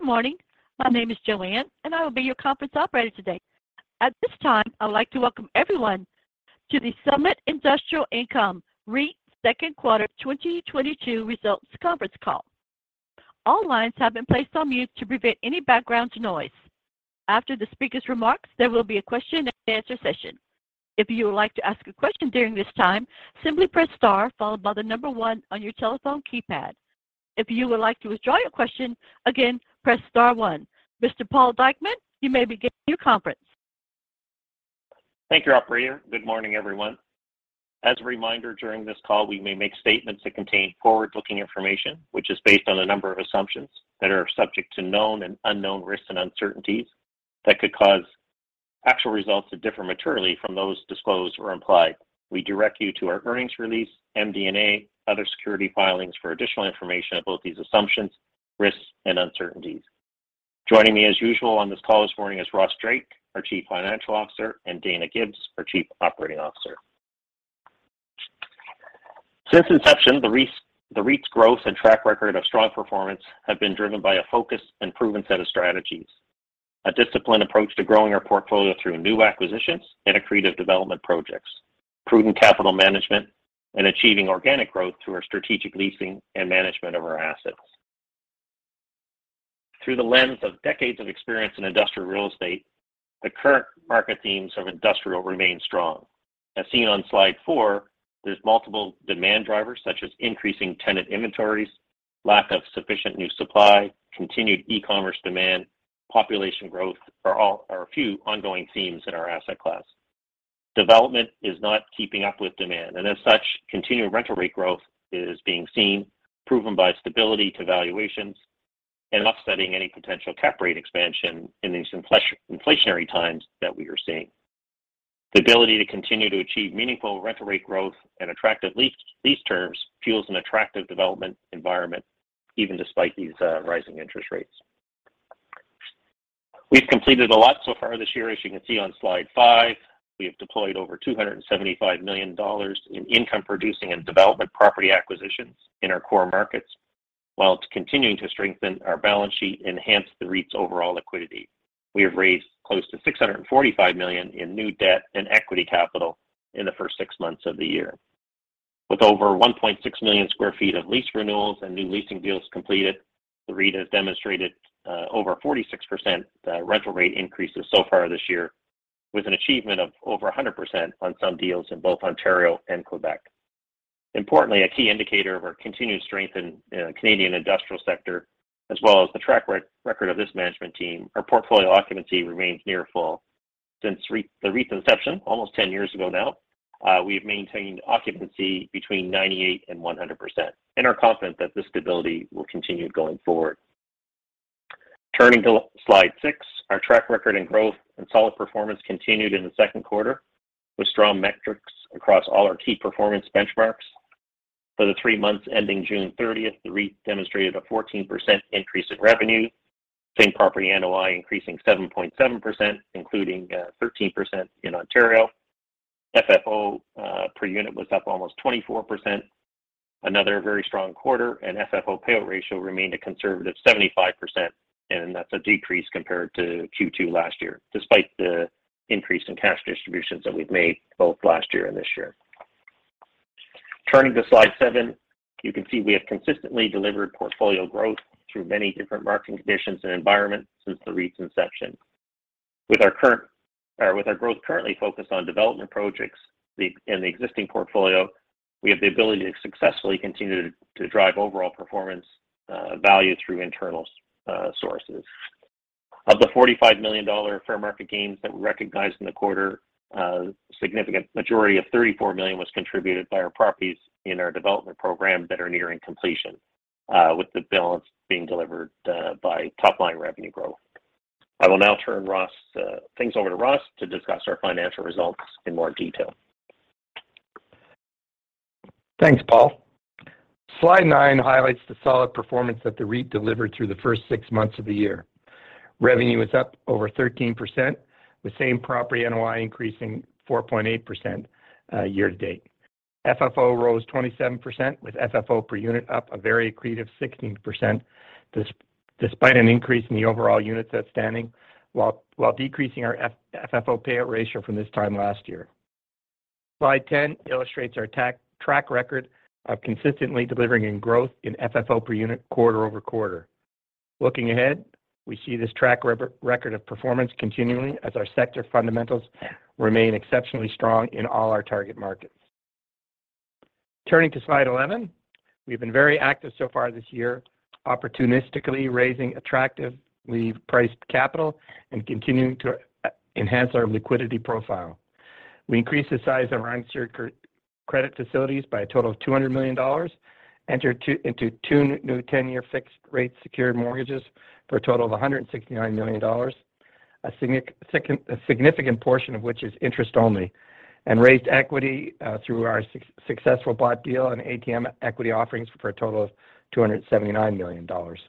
Good morning. My name is Joanne, and I will be your conference operator today. At this time, I'd like to welcome everyone to the Summit Industrial Income REIT second quarter 2022 results conference call. All lines have been placed on mute to prevent any background noise. After the speaker's remarks, there will be a Q&A session. If you would like to ask a question during this time, simply press star followed by the number one on your telephone keypad. If you would like to withdraw your question, again, press star one. Mr. Paul Dykeman, you may begin your conference. Thank you, operator. Good morning, everyone. As a reminder, during this call, we may make statements that contain forward-looking information, which is based on a number of assumptions that are subject to known and unknown risks and uncertainties that could cause actual results to differ materially from those disclosed or implied. We direct you to our earnings release, MD&A, other security filings for additional information about these assumptions, risks, and uncertainties. Joining me as usual on this call this morning is Ross Drake, our Chief Financial Officer, and Dayna Gibbs, our Chief Operating Officer. Since inception, the REIT's growth and track record of strong performance have been driven by a focused and proven set of strategies, a disciplined approach to growing our portfolio through new acquisitions and accretive development projects, prudent capital management, and achieving organic growth through our strategic leasing and management of our assets. Through the lens of decades of experience in industrial real estate, the current market themes of industrial remain strong. As seen on slide four, there's multiple demand drivers such as increasing tenant inventories, lack of sufficient new supply, continued e-commerce demand, population growth are a few ongoing themes in our asset class. Development is not keeping up with demand, and as such, continued rental rate growth is being seen, proven by stability to valuations, and offsetting any potential cap rate expansion in these inflationary times that we are seeing. The ability to continue to achieve meaningful rental rate growth and attractive lease terms fuels an attractive development environment even despite these rising interest rates. We've completed a lot so far this year, as you can see on slide five. We have deployed over 275 million dollars in income producing and development property acquisitions in our core markets while continuing to strengthen our balance sheet, enhance the REIT's overall liquidity. We have raised close to 645 million in new debt and equity capital in the first six months of the year. With over 1.6 million sq ft of lease renewals and new leasing deals completed, the REIT has demonstrated over 46% rental rate increases so far this year with an achievement of over 100% on some deals in both Ontario and Quebec. Importantly, a key indicator of our continued strength in the Canadian industrial sector as well as the track record of this management team, our portfolio occupancy remains near full. Since the REIT's inception almost 10 years ago now, we've maintained occupancy between 98% and 100% and are confident that this stability will continue going forward. Turning to slide six, our track record in growth and solid performance continued in the second quarter with strong metrics across all our key performance benchmarks. For the three months ending June 30, the REIT demonstrated a 14% increase in revenue. Same property NOI increasing 7.7%, including 13% in Ontario. FFO per unit was up almost 24%. Another very strong quarter and FFO payout ratio remained a conservative 75%, and that's a decrease compared to Q2 last year, despite the increase in cash distributions that we've made both last year and this year. Turning to slide seven, you can see we have consistently delivered portfolio growth through many different market conditions and environments since the REIT's inception. With our growth currently focused on development projects in the existing portfolio, we have the ability to successfully continue to drive overall performance value through internal sources. Of the 45 million dollar fair market gains that we recognized in the quarter, a significant majority of 34 million was contributed by our properties in our development program that are nearing completion, with the balance being delivered by top-line revenue growth. I will now turn things over to Ross to discuss our financial results in more detail. Thanks, Paul. Slide nine highlights the solid performance that the REIT delivered through the first six months of the year. Revenue is up over 13%, with same property NOI increasing 4.8%, year-to-date. FFO rose 27%, with FFO per unit up a very accretive 16% despite an increase in the overall units outstanding, while decreasing our FFO payout ratio from this time last year. Slide ten illustrates our track record of consistently delivering in growth in FFO per unit quarter-over-quarter. Looking ahead, we see this track record of performance continuing as our sector fundamentals remain exceptionally strong in all our target markets. Turning to slide 11, we've been very active so far this year, opportunistically raising attractively priced capital and continuing to enhance our liquidity profile. We increased the size of our unsecured credit facilities by a total of 200 million dollars, entered into two new 10-year fixed rate secured mortgages for a total of 169 million dollars, a significant portion of which is interest only, and raised equity through our successful bought deal and ATM equity offerings for a total of 279 million dollars.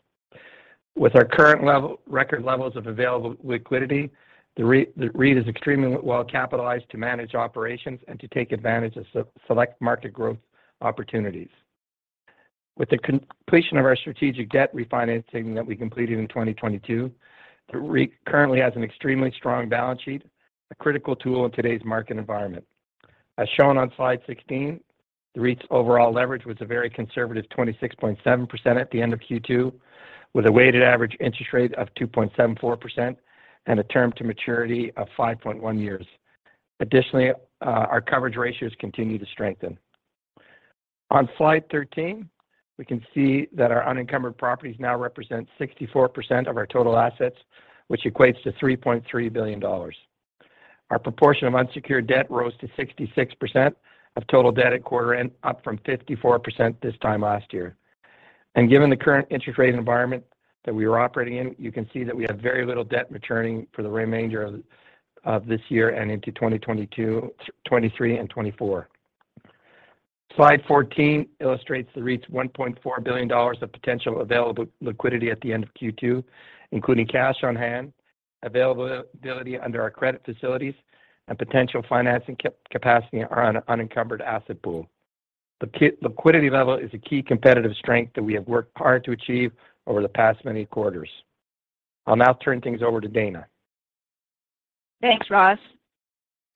With our current record levels of available liquidity, the REIT is extremely well capitalized to manage operations and to take advantage of select market growth opportunities. With the completion of our strategic debt refinancing that we completed in 2022, the REIT currently has an extremely strong balance sheet, a critical tool in today's market environment. As shown on slide 16, the REIT's overall leverage was a very conservative 26.7% at the end of Q2, with a weighted average interest rate of 2.74% and a term to maturity of 5.1 years. Additionally, our coverage ratios continue to strengthen. On slide 13, we can see that our unencumbered properties now represent 64% of our total assets, which equates to 3.3 billion dollars. Our proportion of unsecured debt rose to 66% of total debt at quarter end, up from 54% this time last year. Given the current interest rate environment that we are operating in, you can see that we have very little debt maturing for the remainder of this year and into 2022, 2023 and 2024. Slide 14 illustrates the REIT's 1.4 billion dollars of potential available liquidity at the end of Q2, including cash on hand, availability under our credit facilities, and potential financing capacity on our unencumbered asset pool. The liquidity level is a key competitive strength that we have worked hard to achieve over the past many quarters. I'll now turn things over to Dayna. Thanks, Ross.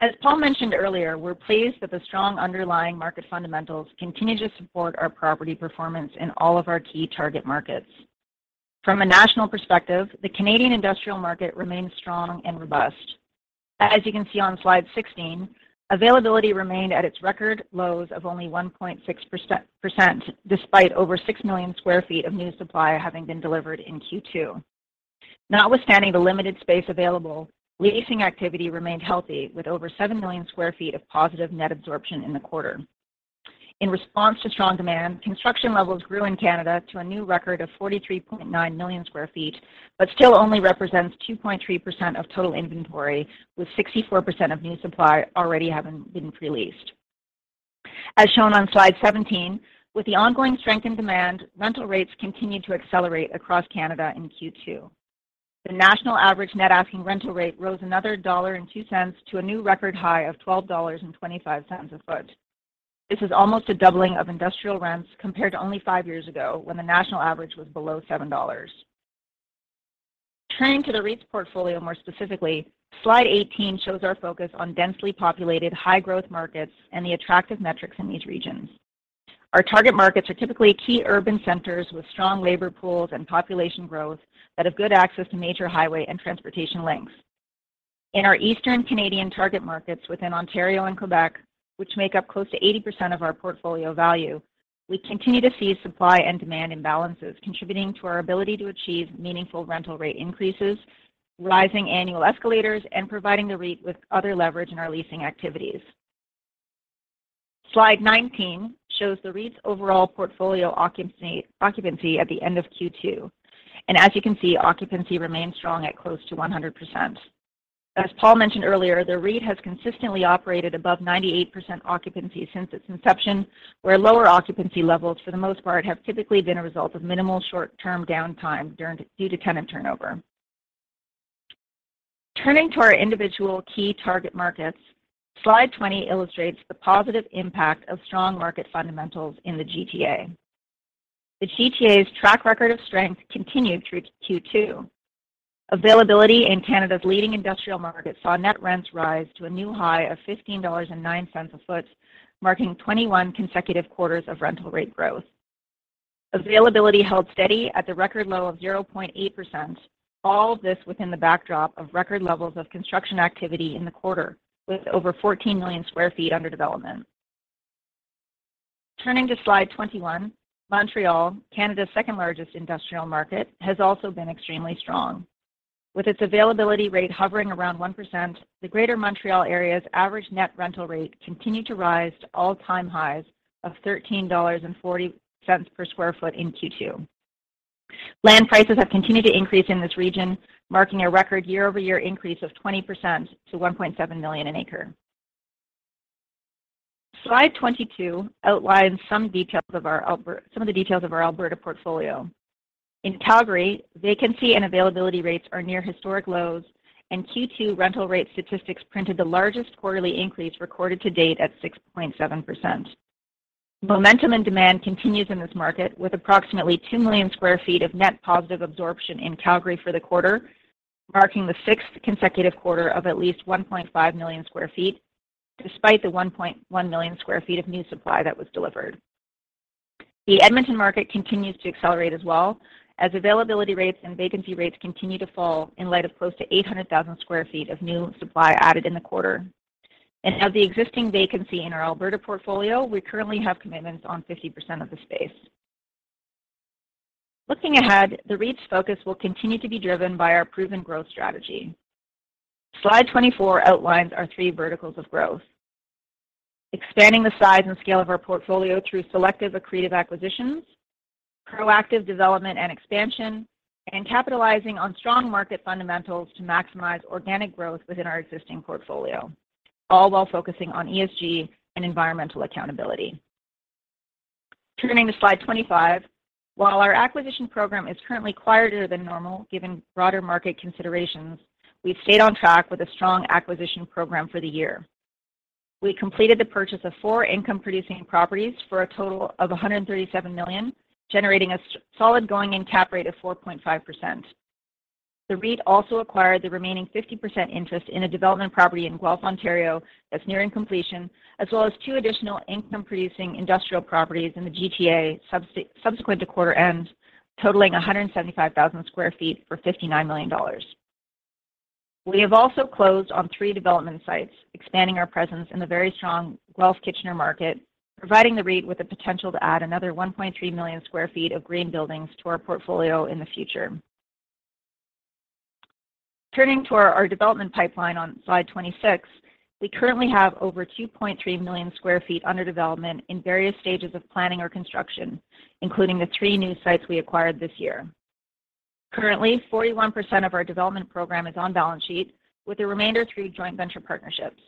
As Paul mentioned earlier, we're pleased that the strong underlying market fundamentals continue to support our property performance in all of our key target markets. From a national perspective, the Canadian industrial market remains strong and robust. As you can see on slide 16, availability remained at its record lows of only 1.6%, despite over 6 million sq ft of new supply having been delivered in Q2. Notwithstanding the limited space available, leasing activity remained healthy, with over 7 million sq ft of positive net absorption in the quarter. In response to strong demand, construction levels grew in Canada to a new record of 43.9 million sq ft, but still only represents 2.3% of total inventory, with 64% of new supply already having been pre-leased. As shown on slide 17, with the ongoing strength in demand, rental rates continued to accelerate across Canada in Q2. The national average net asking rental rate rose another 1.02 dollar to a new record high of 12.25 dollars a ft. This is almost a doubling of industrial rents compared to only five years ago when the national average was below 7 dollars. Turning to the REIT's portfolio more specifically, slide 18 shows our focus on densely populated, high-growth markets and the attractive metrics in these regions. Our target markets are typically key urban centers with strong labor pools and population growth that have good access to major highway and transportation links. In our eastern Canadian target markets within Ontario and Quebec, which make up close to 80% of our portfolio value, we continue to see supply and demand imbalances contributing to our ability to achieve meaningful rental rate increases, rising annual escalators, and providing the REIT with other leverage in our leasing activities. Slide 19 shows the REIT's overall portfolio occupancy at the end of Q2. As you can see, occupancy remains strong at close to 100%. As Paul mentioned earlier, the REIT has consistently operated above 98% occupancy since its inception, where lower occupancy levels, for the most part, have typically been a result of minimal short-term downtime due to tenant turnover. Turning to our individual key target markets, slide 20 illustrates the positive impact of strong market fundamentals in the GTA. The GTA's track record of strength continued through Q2. Availability in Canada's leading industrial markets saw net rents rise to a new high of 15.09 dollars a ft, marking 21 consecutive quarters of rental rate growth. Availability held steady at the record low of 0.8%. All of this within the backdrop of record levels of construction activity in the quarter, with over 14 million sq ft under development. Turning to slide 21, Montreal, Canada's second-largest industrial market, has also been extremely strong. With its availability rate hovering around 1%, the greater Montreal area's average net rental rate continued to rise to all-time highs of 13.40 dollars per sq ft in Q2. Land prices have continued to increase in this region, marking a record year-over-year increase of 20% to 1.7 million an acre. Slide 22 outlines some of the details of our Alberta portfolio. In Calgary, vacancy and availability rates are near historic lows, and Q2 rental rate statistics printed the largest quarterly increase recorded to date at 6.7%. Momentum and demand continues in this market, with approximately 2 million sq ft of net positive absorption in Calgary for the quarter, marking the sixth consecutive quarter of at least 1.5 million sq ft, despite the 1.1 million sq ft of new supply that was delivered. The Edmonton market continues to accelerate as well, as availability rates and vacancy rates continue to fall in light of close to 800,000 sq ft of new supply added in the quarter. Of the existing vacancy in our Alberta portfolio, we currently have commitments on 50% of the space. Looking ahead, the REIT's focus will continue to be driven by our proven growth strategy. Slide 24 outlines our three verticals of growth. Expanding the size and scale of our portfolio through selective accretive acquisitions, proactive development and expansion, and capitalizing on strong market fundamentals to maximize organic growth within our existing portfolio, all while focusing on ESG and environmental accountability. Turning to slide 25, while our acquisition program is currently quieter than normal, given broader market considerations, we've stayed on track with a strong acquisition program for the year. We completed the purchase of four income-producing properties for a total of 137 million, generating a solid going-in cap rate of 4.5%. The REIT also acquired the remaining 50% interest in a development property in Guelph, Ontario, that's nearing completion, as well as two additional income-producing industrial properties in the GTA subsequent to quarter end, totaling 175,000 sq ft for 59 million dollars. We have also closed on three development sites, expanding our presence in the very strong Guelph-Kitchener market, providing the REIT with the potential to add another 1.3 million sq ft of green buildings to our portfolio in the future. Turning to our development pipeline on slide 26, we currently have over 2.3 million sq ft under development in various stages of planning or construction, including the three new sites we acquired this year. Currently, 41% of our development program is on balance sheet, with the remainder through joint venture partnerships.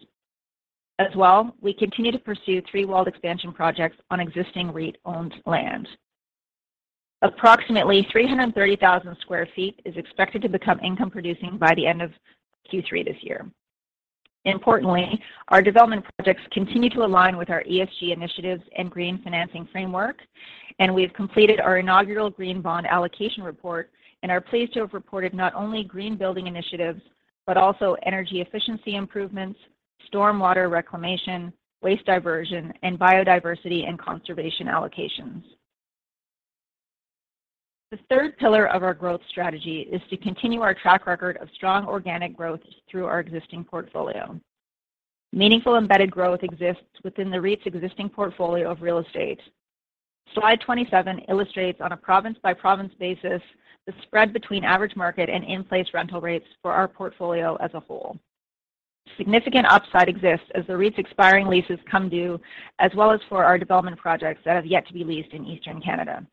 As well, we continue to pursue three walled expansion projects on existing REIT-owned land. Approximately 330,000 sq ft is expected to become income producing by the end of Q3 this year. Importantly, our development projects continue to align with our ESG initiatives and green financing framework, and we have completed our inaugural green bond allocation report and are pleased to have reported not only green building initiatives, but also energy efficiency improvements, storm water reclamation, waste diversion, and biodiversity and conservation allocations. The third pillar of our growth strategy is to continue our track record of strong organic growth through our existing portfolio. Meaningful embedded growth exists within the REIT's existing portfolio of real estate. Slide 27 illustrates on a province-by-province basis the spread between average market and in-place rental rates for our portfolio as a whole. Significant upside exists as the REIT's expiring leases come due, as well as for our development projects that have yet to be leased in Eastern Canada.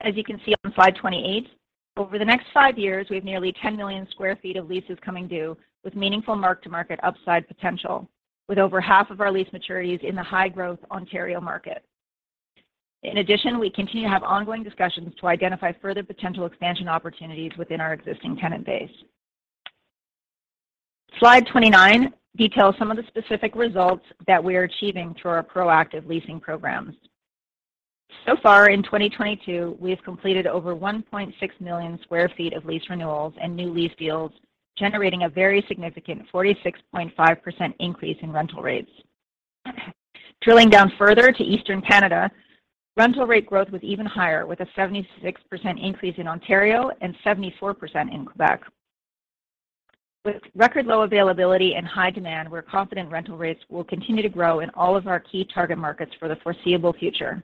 As you can see on slide 28, over the next five years, we have nearly 10 million sq ft of leases coming due with meaningful mark-to-market upside potential, with over half of our lease maturities in the high-growth Ontario market. In addition, we continue to have ongoing discussions to identify further potential expansion opportunities within our existing tenant base. Slide 29 details some of the specific results that we are achieving through our proactive leasing programs. So far in 2022, we have completed over 1.6 million sq ft of lease renewals and new lease deals, generating a very significant 46.5% increase in rental rates. Drilling down further to Eastern Canada, rental rate growth was even higher, with a 76% increase in Ontario and 74% in Quebec. With record low availability and high demand, we're confident rental rates will continue to grow in all of our key target markets for the foreseeable future.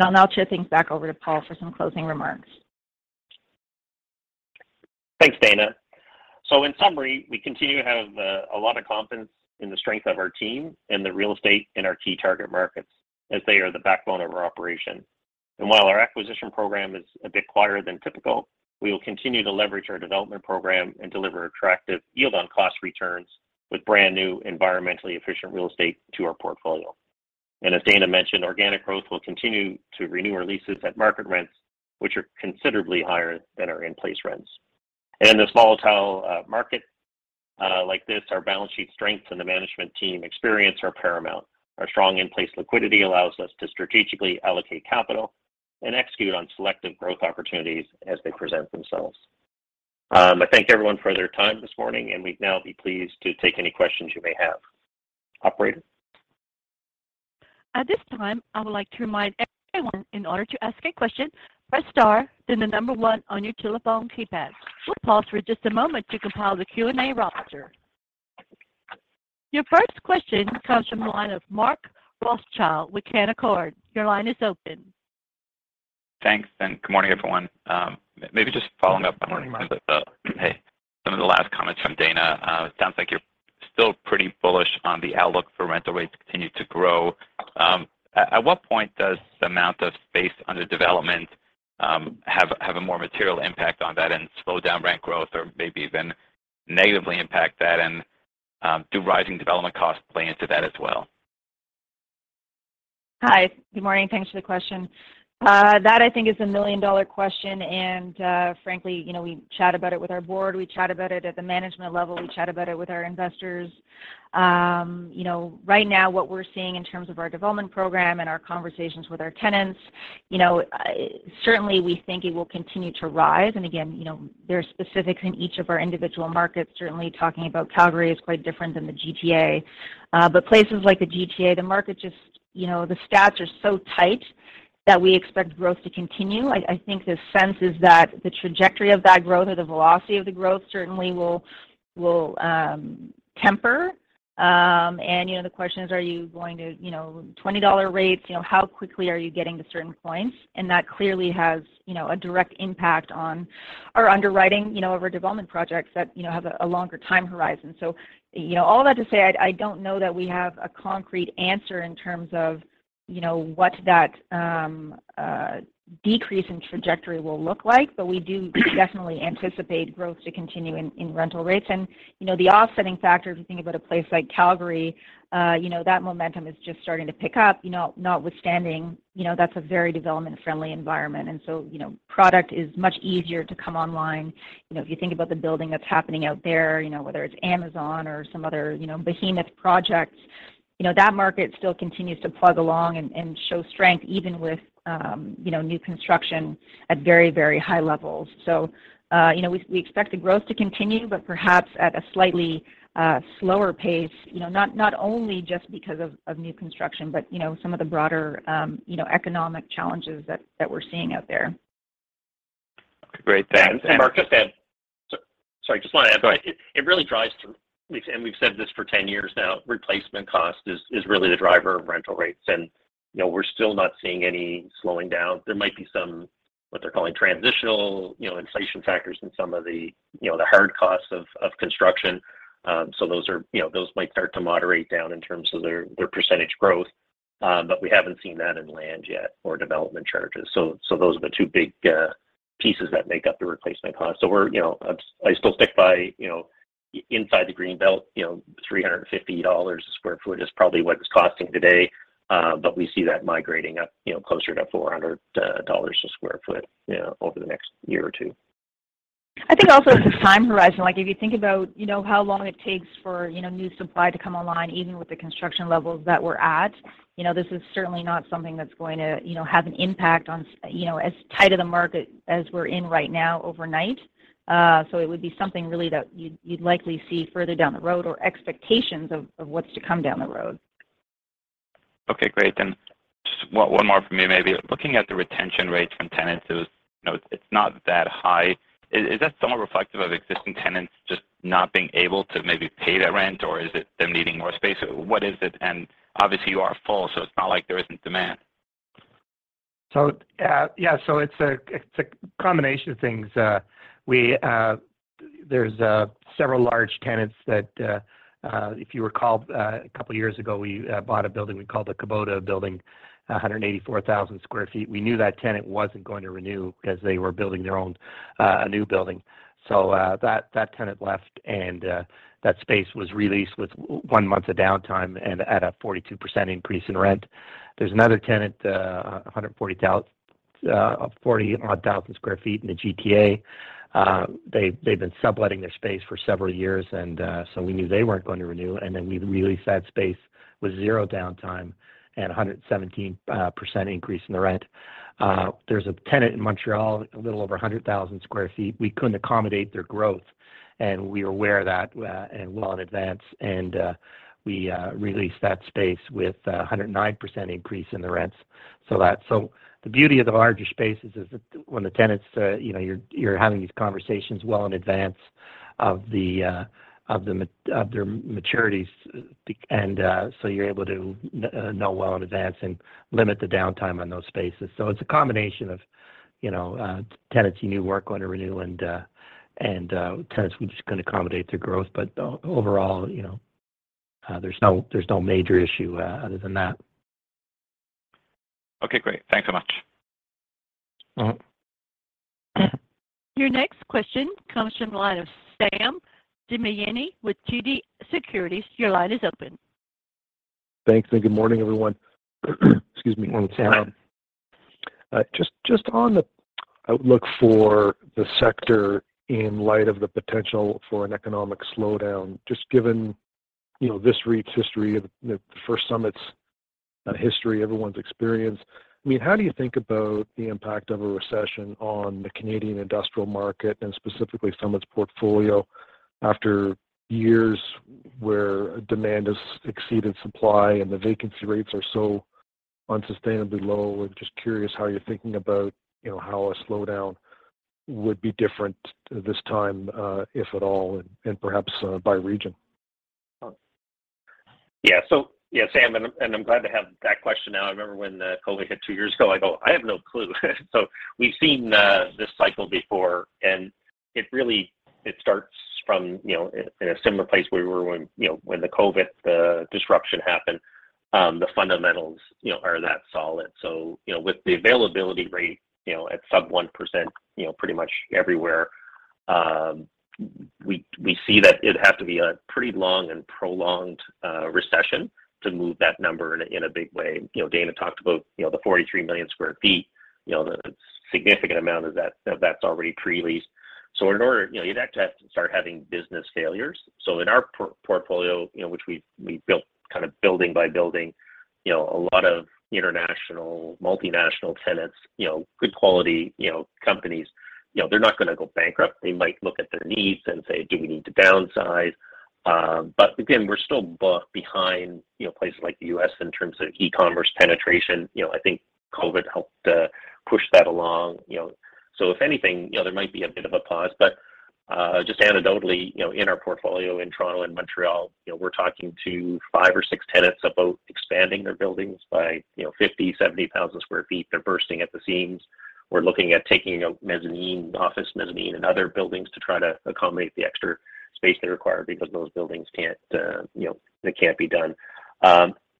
I'll now turn things back over to Paul for some closing remarks. Thanks, Dayna. In summary, we continue to have a lot of confidence in the strength of our team and the real estate in our key target markets, as they are the backbone of our operation. While our acquisition program is a bit quieter than typical, we will continue to leverage our development program and deliver attractive yield on cost returns with brand-new, environmentally efficient real estate to our portfolio. As Dayna mentioned, organic growth will continue to renew our leases at market rents, which are considerably higher than our in-place rents. In this volatile market like this, our balance sheet strengths and the management team experience are paramount. Our strong in-place liquidity allows us to strategically allocate capital and execute on selective growth opportunities as they present themselves.I thank everyone for their time this morning, and we'd now be pleased to take any questions you may have. Operator? At this time, I would like to remind everyone, in order to ask a question, press star, then the number one on your telephone keypad. We'll pause for just a moment to compile the Q&A roster. Your first question comes from the line of Mark Rothschild with Canaccord. Your line is open. Thanks, and good morning, everyone. Maybe just following up on. Good morning, Mark. Hey. Some of the last comments from Dayna. It sounds like you're still pretty bullish on the outlook for rental rates to continue to grow. At what point does the amount of space under development have a more material impact on that and slow down rent growth or maybe even negatively impact that? Do rising development costs play into that as well? Hi. Good morning. Thanks for the question. That I think is the million-dollar question, and frankly, you know, we chat about it with our board, we chat about it at the management level, we chat about it with our investors. You know, right now, what we're seeing in terms of our development program and our conversations with our tenants, you know, certainly we think it will continue to rise. Again, you know, there are specifics in each of our individual markets. Certainly talking about Calgary is quite different than the GTA. Places like the GTA, the market just, you know, the stats are so tight that we expect growth to continue. I think the sense is that the trajectory of that growth or the velocity of the growth certainly will temper. You know, the question is, are you going to? You know, 20 dollar rates, you know, how quickly are you getting to certain points? That clearly has, you know, a direct impact on our underwriting, you know, of our development projects that, you know, have a longer time horizon. You know, all that to say, I don't know that we have a concrete answer in terms of, you know, what that decrease in trajectory will look like, but we do definitely anticipate growth to continue in rental rates. You know, the offsetting factor, if you think about a place like Calgary, you know, that momentum is just starting to pick up, you know, notwithstanding, you know, that's a very development-friendly environment. You know, product is much easier to come online. You know, if you think about the building that's happening out there, you know, whether it's Amazon or some other, you know, behemoth project. You know, that market still continues to plug along and show strength even with, you know, new construction at very, very high levels. We expect the growth to continue, but perhaps at a slightly slower pace, you know, not only just because of new construction but, you know, some of the broader, you know, economic challenges that we're seeing out there. Great. Thanks. Mark, just to add. Sorry, just want to add. Go ahead. We've said this for 10 years now, replacement cost is really the driver of rental rates. You know, we're still not seeing any slowing down. There might be some, what they're calling transitional, you know, inflation factors in some of the, you know, the hard costs of construction. Those might start to moderate down in terms of their percentage growth. But we haven't seen that in land yet or development charges. Those are the two big pieces that make up the replacement cost. We're, you know, I still stick by, you know, inside the Greenbelt, you know, 350 dollars a sq ft is probably what it's costing today, but we see that migrating up, you know, closer to 400 dollars a sq ft, you know, over the next year or two. I think also the time horizon, like if you think about, you know, how long it takes for, you know, new supply to come online, even with the construction levels that we're at, you know, this is certainly not something that's going to, you know, have an impact on, you know, as tight of the market as we're in right now overnight. So it would be something really that you'd likely see further down the road or expectations of what's to come down the road. Okay, great. Just one more from me maybe. Looking at the retention rates from tenants, it was, you know, it's not that high. Is that somewhat reflective of existing tenants just not being able to maybe pay their rent, or is it them needing more space? What is it? Obviously, you are full, so it's not like there isn't demand. It's a combination of things. There are several large tenants that if you recall a couple of years ago, we bought a building we called the Kubota Building 184,000 sq ft. We knew that tenant wasn't going to renew because they were building their own new building. That tenant left and that space was released with one month of downtime and at a 42% increase in rent. There's another tenant 40,000-odd sq ft in the GTA. They've been subletting their space for several years and so we knew they weren't going to renew and then we released that space with zero downtime and a 117% increase in the rent. There's a tenant in Montreal, a little over 100,000 sq ft. We couldn't accommodate their growth, and we were aware of that and well in advance, and we released that space with a 109% increase in the rents. The beauty of the larger spaces is that when the tenants you know, you're having these conversations well in advance of the maturity of their maturities before and so you're able to know well in advance and limit the downtime on those spaces. It's a combination of tenants you knew weren't going to renew and tenants we just couldn't accommodate their growth. Overall, you know, there's no major issue other than that. Okay, great. Thanks so much. Mm-hmm. Your next question comes from the line of Sam Damiani with TD Securities. Your line is open. Thanks and good morning, everyone. Excuse me. Morning, Sam. Just on the outlook for the sector in light of the potential for an economic slowdown, just given, you know, this REIT's history of Summit's history, everyone's experience. I mean, how do you think about the impact of a recession on the Canadian industrial market and specifically Summit's portfolio after years where demand has exceeded supply and the vacancy rates are so unsustainably low? I'm just curious how you're thinking about, you know, how a slowdown would be different this time, if at all, and perhaps by region. Yeah. Yeah, Sam, and I'm glad to have that question now. I remember when COVID hit two years ago, I go, "I have no clue." We've seen this cycle before, and it really starts from, you know, in a similar place we were when, you know, when the COVID disruption happened. The fundamentals, you know, are that solid. You know, with the availability rate, you know, at sub 1%, you know, pretty much everywhere, we see that it'd have to be a pretty long and prolonged recession to move that number in a big way. You know, Dayna talked about, you know, the 43 million sq ft. You know, the significant amount of that that's already pre-leased. In order, you know, you'd have to start having business failures. In our portfolio, you know, which we've built kind of building by building, you know, a lot of international, multinational tenants, you know, good quality, you know, companies, you know, they're not gonna go bankrupt. They might look at their needs and say, "Do we need to downsize?" But again, we're still behind, you know, places like the U.S. in terms of e-commerce penetration. You know, I think COVID helped push that along, you know. If anything, you know, there might be a bit of a pause. But just anecdotally, you know, in our portfolio in Toronto and Montreal, you know, we're talking to five or six tenants about expanding their buildings by, you know, 50,000 sq ft, 70,000 sq ft. They're bursting at the seams. We're looking at taking a mezzanine, office mezzanine and other buildings to try to accommodate the extra space they require because those buildings can't be done.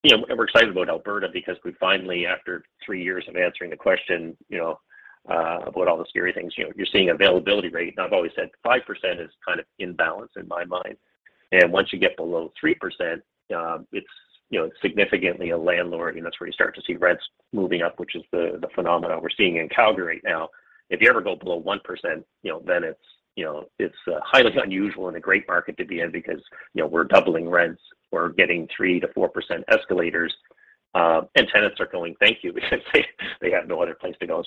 You know, we're excited about Alberta because we finally, after three years of answering the question, you know, about all the scary things, you know, you're seeing availability rate, and I've always said 5% is kind of in balance in my mind. Once you get below 3%, it's, you know, significantly a landlord, you know, that's where you start to see rents moving up, which is the phenomena we're seeing in Calgary now. If you ever go below 1%, you know, then it's, you know, it's highly unusual and a great market to be in because, you know, we're doubling rents. We're getting 3%-4% escalators, and tenants are going, "Thank you," because they have no other place to go.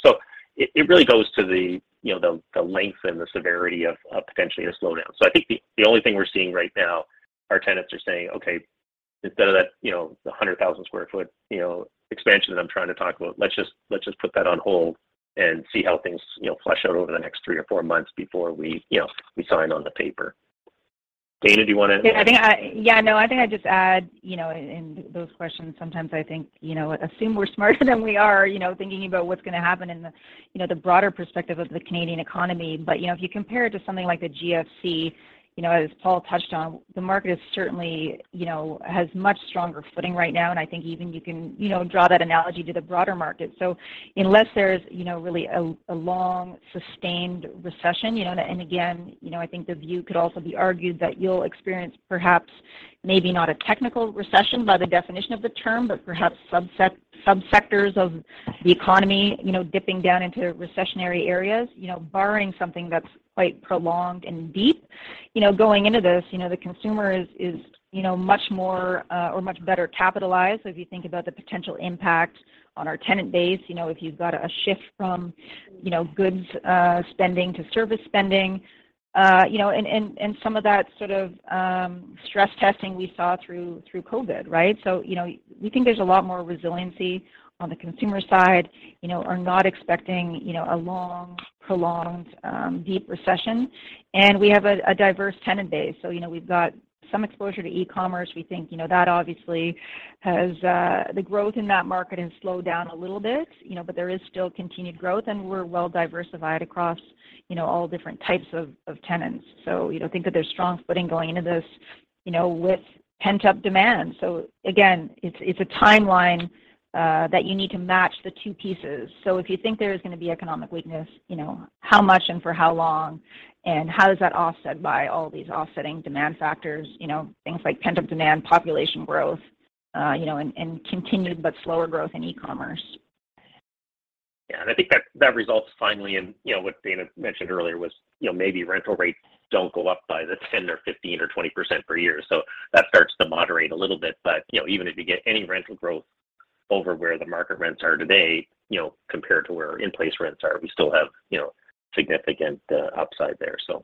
It really goes to the, you know, the length and the severity of potentially a slowdown. I think the only thing we're seeing right now, our tenants are saying, "Okay, instead of that, you know, the 100,000 sq ft, you know, expansion that I'm trying to talk about, let's just put that on hold and see how things, you know, flesh out over the next three or four months before we, you know, we sign on the paper." Dayna, do you wanna? Yeah, no, I think I'd just add, you know, in those questions sometimes I think, you know, assume we're smarter than we are, you know, thinking about what's gonna happen in the, you know, the broader perspective of the Canadian economy. You know, if you compare it to something like the GFC, you know, as Paul touched on, the market is certainly, you know, has much stronger footing right now. I think even you can, you know, draw that analogy to the broader market. Unless there's, you know, really a long sustained recession, you know, and again, you know, I think the view could also be argued that you'll experience perhaps maybe not a technical recession by the definition of the term, but perhaps subsectors of the economy, you know, dipping down into recessionary areas. You know, barring something that's quite prolonged and deep, you know, going into this, you know, the consumer is you know much more or much better capitalized. If you think about the potential impact on our tenant base, you know, if you've got a shift from you know goods spending to service spending, you know, and some of that sort of stress testing we saw through COVID, right? You know, we think there's a lot more resiliency on the consumer side, you know, we are not expecting you know a long, prolonged deep recession. We have a diverse tenant base. You know, we've got some exposure to e-commerce. We think, you know, that obviously has the growth in that market has slowed down a little bit, you know, but there is still continued growth, and we're well diversified across, you know, all different types of tenants. You know, think that there's strong footing going into this, you know, with pent-up demand. Again, it's a timeline that you need to match the two pieces. If you think there is gonna be economic weakness, you know, how much and for how long, and how is that offset by all these offsetting demand factors? You know, things like pent-up demand, population growth, you know, and continued but slower growth in e-commerce. Yeah. I think that results finally in, you know, what Dayna mentioned earlier was, you know, maybe rental rates don't go up by the 10% or 15% or 20% per year. That starts to moderate a little bit. You know, even if you get any rental growth over where the market rents are today, you know, compared to where in-place rents are, we still have, you know, significant upside there, so.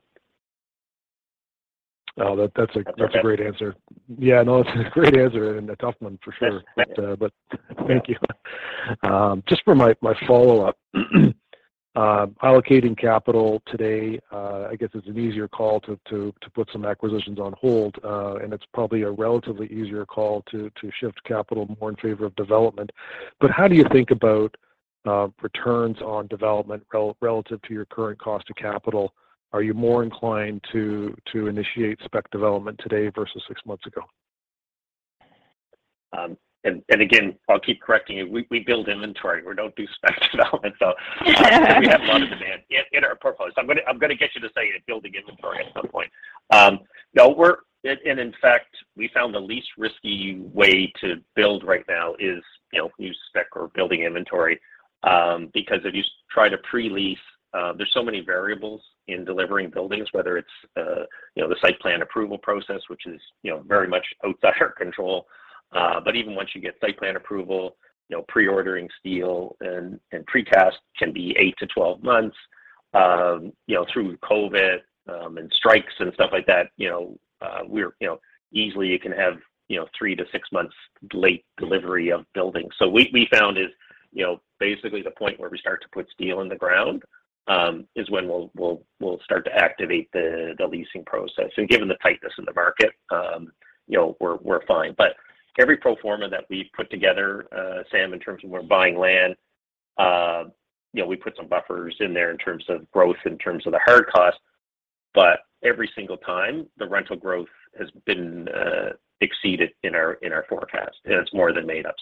Oh, that's a, that's a great answer. Yeah, no, that's a great answer and a tough one for sure. That's right. Thank you. Just for my follow-up, allocating capital today, I guess it's an easier call to put some acquisitions on hold. It's probably a relatively easier call to shift capital more in favor of development. How do you think about returns on development relative to your current cost of capital? Are you more inclined to initiate spec development today versus six months ago? Again, I'll keep correcting you. We build inventory. We don't do spec development; we have a lot of demand in our portfolios. I'm gonna get you to say it, building inventory at some point. No, in fact, we found the least risky way to build right now is, you know, new spec or building inventory. Because if you try to pre-lease, there's so many variables in delivering buildings, whether it's, you know, the site plan approval process, which is, you know, very much outside our control. But even once you get site plan approval, you know, pre-ordering steel and precast can be eight to 12 months. You know, through COVID, and strikes and stuff like that, you know, we're, you know, easily you can have three months to six months late delivery of buildings. What we found is, you know, basically the point where we start to put steel in the ground is when we'll start to activate the leasing process. Given the tightness in the market, you know, we're fine. Every pro forma that we've put together, Sam, in terms of we're buying land, you know, we put some buffers in there in terms of growth, in terms of the hard costs, but every single time the rental growth has been exceeded in our forecast, and it's more than made up.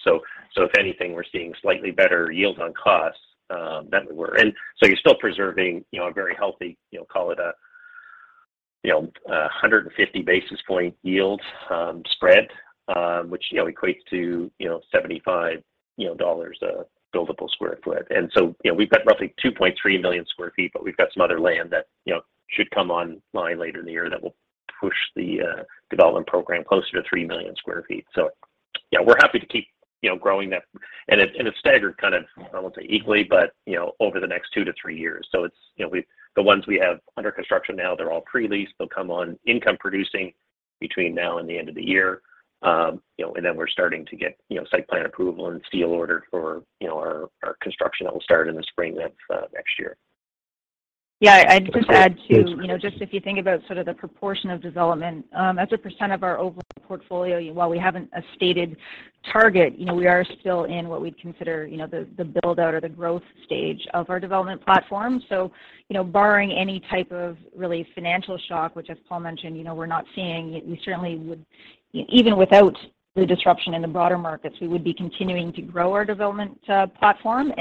If anything, we're seeing slightly better yield on cost than we were. You're still preserving, you know, a very healthy, you know, call it a, you know, 150 basis point yield spread, which, you know, equates to, you know, 75 dollars a buildable sq ft. You've got roughly 2.3 million sq ft, but you've got some other land that, you know, should come online later in the year that will push the development program closer to 3 million sq ft. Yeah, we're happy to keep, you know, growing that. It's staggered kind of, I won't say equally, but, you know, over the next two years to three years. It's, you know, the ones we have under construction now, they're all pre-leased. They'll come on income producing between now and the end of the year. You know, we're starting to get, you know, site plan approval and steel ordered for, you know, our construction that will start in the spring of next year. Yeah. I'd just add too. Great. Thanks. You know, just if you think about sort of the proportion of development as a percent of our overall portfolio, while we haven't a stated target, you know, we are still in what we'd consider the build-out or the growth stage of our development platform. You know, barring any type of really financial shock, which as Paul mentioned, you know, we're not seeing, we certainly would even without the disruption in the broader markets be continuing to grow our development platform.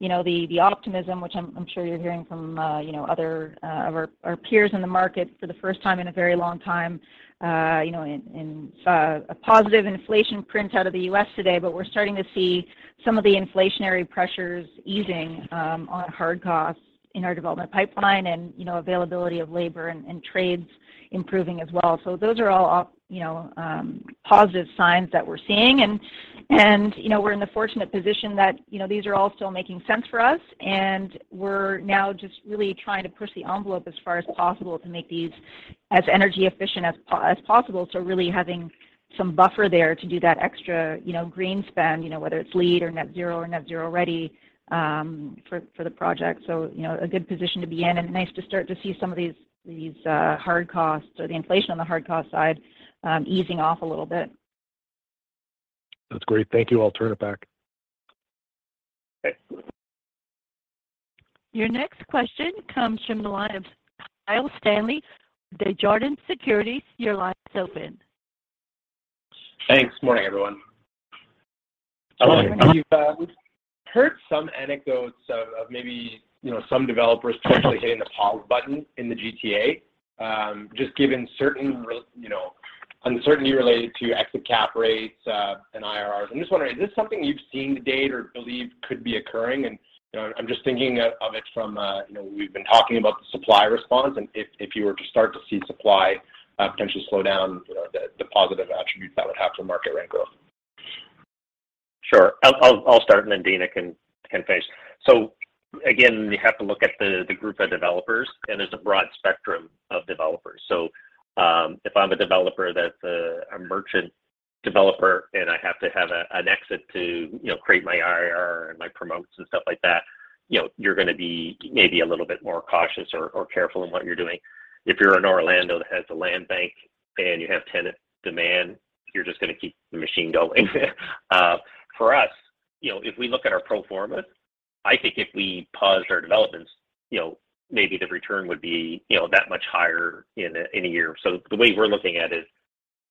You know, the optimism, which I'm sure you're hearing from you know, other of our peers in the market for the first time in a very long time, you know, and a positive inflation print out of the U.S. today. We're starting to see some of the inflationary pressures easing on hard costs in our development pipeline and, you know, availability of labor and trades improving as well. Those are all, you know, positive signs that we're seeing. We're in the fortunate position that, you know, these are all still making sense for us, and we're now just really trying to push the envelope as far as possible to make these as energy efficient as possible. Really having some buffer there to do that extra, you know, green spend, you know, whether it's LEED or net zero or net zero ready for the project. You know, a good position to be in and nice to start to see some of these hard costs or the inflation on the hard cost side, easing off a little bit. That's great. Thank you. I'll turn it back. Okay. Your next question comes from the line of Kyle Stanley with Desjardins Securities. Your line is open. Thanks. Morning, everyone. Hello. We've heard some anecdotes of maybe, you know, some developers potentially hitting the pause button in the GTA, just given certain uncertainty related to exit cap rates, and IRRs. I'm just wondering, is this something you've seen to date or believe could be occurring? I'm just thinking of it from, you know, we've been talking about the supply response and if you were to start to see supply potentially slow down, you know, the positive attributes that would have for market rent growth. Sure. I'll start and then Dayna can finish. Again, you have to look at the group of developers, and there's a broad spectrum of developers. If I'm a developer that's a merchant developer and I have to have an exit to, you know, create my IRR and my promotes and stuff like that, you know, you're gonna be maybe a little bit more cautious or careful in what you're doing. If you're in Orlando that has the land bank and you have tenant demand, you're just gonna keep the machine going. For us, you know, if we look at our pro forma, I think if we paused our developments, you know, maybe the return would be, you know, that much higher in a year. The way we're looking at it,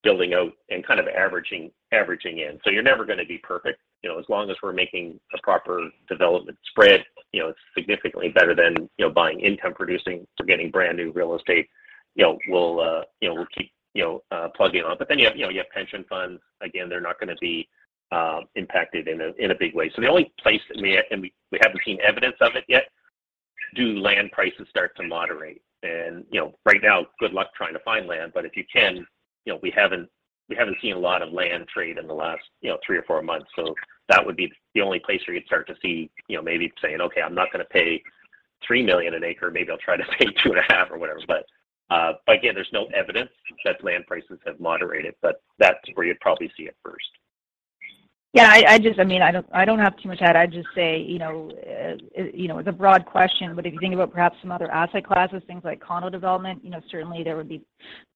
building out and kind of averaging in, so you're never gonna be perfect. You know, as long as we're making a proper development spread, you know, it's significantly better than, you know, buying income-producing or getting brand new real estate. You know, we'll keep, you know, plugging on. Then you have, you know, pension funds, again, they're not gonna be impacted in a big way. The only place that we haven't seen evidence of it yet. Do land prices start to moderate? You know, right now, good luck trying to find land, but if you can, you know, we haven't seen a lot of land trade in the last, you know, three or four months. That would be the only place where you'd start to see, you know, maybe saying, "Okay, I'm not gonna pay 3 million an acre. Maybe I'll try to pay 2.5 million or whatever." again, there's no evidence that land prices have moderated, but that's where you'd probably see it first. Yeah, I just, I mean, I don't have too much to add. I'd just say, you know, it's a broad question, but if you think about perhaps some other asset classes, things like condo development, you know, certainly there would be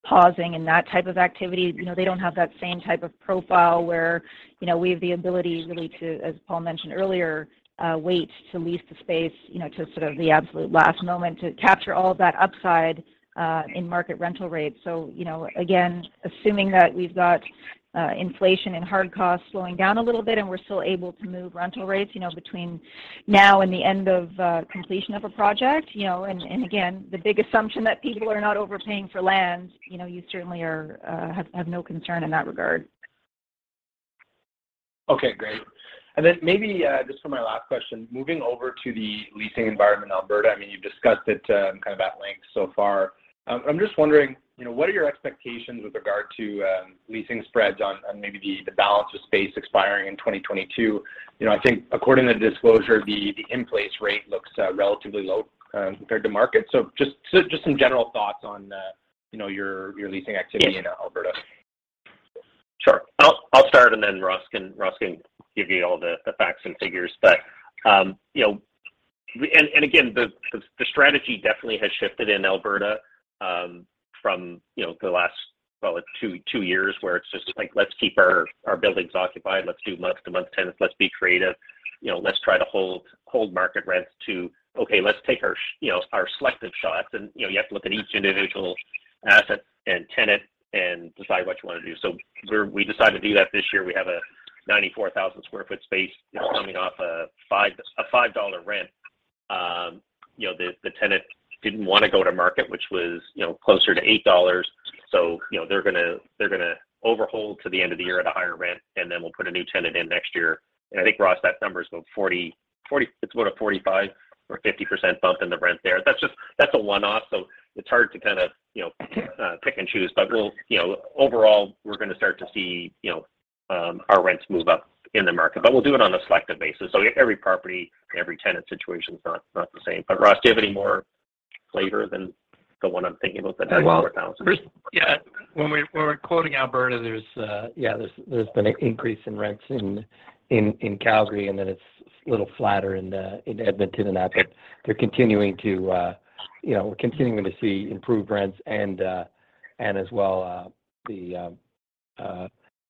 pausing in that type of activity. You know, they don't have that same type of profile where, you know, we have the ability really to, as Paul mentioned earlier, wait to lease the space, you know, to sort of the absolute last moment to capture all of that upside in market rental rates. So, you know, again, assuming that we've got inflation and hard costs slowing down a little bit and we're still able to move rental rates, you know, between now and the end of completion of a project. You know, again, the big assumption that people are not overpaying for land, you know, you certainly are, have no concern in that regard. Okay, great. Maybe just for my last question, moving over to the leasing environment in Alberta, I mean, you've discussed it kind of at length so far. I'm just wondering, you know, what are your expectations with regard to leasing spreads on maybe the balance of space expiring in 2022? You know, I think according to the disclosure, the in-place rate looks relatively low compared to market. Just some general thoughts on, you know, your leasing activity in Alberta. Sure. I'll start and then Ross can give you all the facts and figures. The strategy definitely has shifted in Alberta from the last, well, two years where it's just like, let's keep our buildings occupied, let's do month-to-month tenants, let's be creative. You know, let's try to hold market rents to, okay, let's take our selective shots. You know, you have to look at each individual asset and tenant and decide what you wanna do. We decided to do that this year. We have a 94,000 sq ft space, you know, coming off a 5 rent. The tenant didn't wanna go to market, which was, you know, closer to 8 dollars. You know, they're gonna overhold to the end of the year at a higher rent, and then we'll put a new tenant in next year. I think Ross, that number is about 40. It's about a 45%-50% bump in the rent there. That's just a one-off, so it's hard to kind of, you know, pick and choose. You know, overall, we're gonna start to see, you know, our rents move up in the market. We'll do it on a selective basis. Every property, every tenant situation is not the same. Ross, do you have any more flavor on the one I'm thinking about, the 94,000? Well, first yeah, when we're quoting Alberta, there's been an increase in rents in Calgary, and then it's a little flatter in Edmonton and that. We're continuing to see improved rents and as well the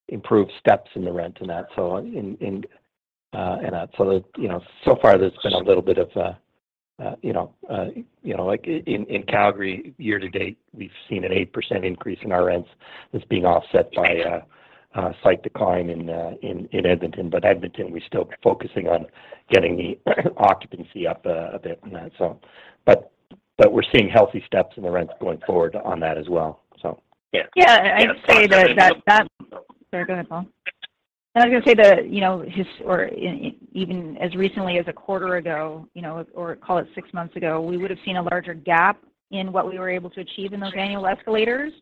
improved steps in the rent and that. You know, so far there's been a little bit of a you know a. You know, like in Calgary, year-to-date, we've seen an 8% increase in our rents that's being offset by a slight decline in Edmonton. Edmonton, we're still focusing on getting the occupancy up a bit in that. We're seeing healthy steps in the rents going forward on that as well. Yeah. Yeah. I'd say that. Sorry. Go ahead, Paul. I was gonna say that, you know, or even as recently as a quarter ago, you know, or call it six months ago, we would have seen a larger gap in what we were able to achieve in those annual escalators,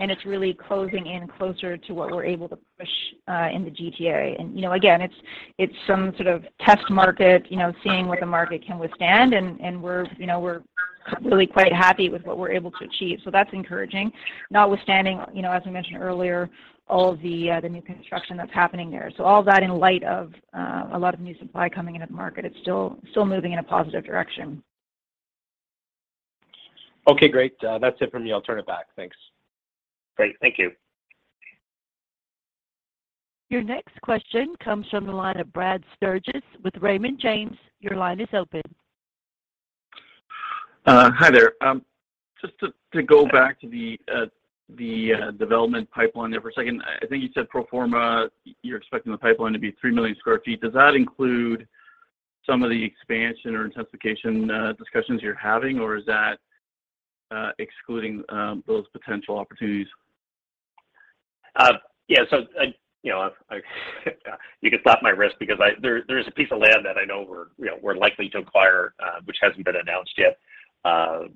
and it's really closing in closer to what we're able to push in the GTA. You know, again, it's some sort of test market, you know, seeing what the market can withstand, and we're really quite happy with what we're able to achieve. That's encouraging. Notwithstanding, you know, as we mentioned earlier, all the new construction that's happening there. All that in light of a lot of new supply coming into the market, it's still moving in a positive direction. Okay, great. That's it from me. I'll turn it back. Thanks. Great. Thank you. Your next question comes from the line of Brad Sturges with Raymond James. Your line is open. Hi there. Just to go back to the development pipeline there for a second. I think you said pro forma you're expecting the pipeline to be 3 million sq ft. Does that include some of the expansion or intensification discussions you're having, or is that excluding those potential opportunities? You can stop right there because there is a piece of land that I know we're likely to acquire, which hasn't been announced yet.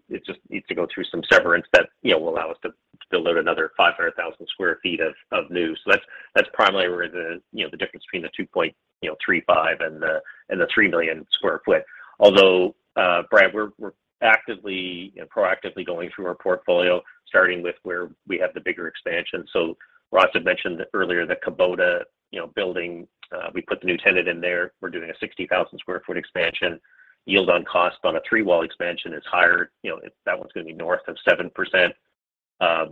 It just needs to go through some severance that will allow us to build out another 500,000 sq ft of new. That's primarily where the difference between the 2.35 and the 3 million sq ft. Although, Brad, we're actively and proactively going through our portfolio, starting with where we have the bigger expansion. Ross had mentioned earlier the Kubota building. We put the new tenant in there. We're doing a 60,000 sq ft expansion. Yield on cost on a three-wall expansion is higher. You know, that one's gonna be north of 7%.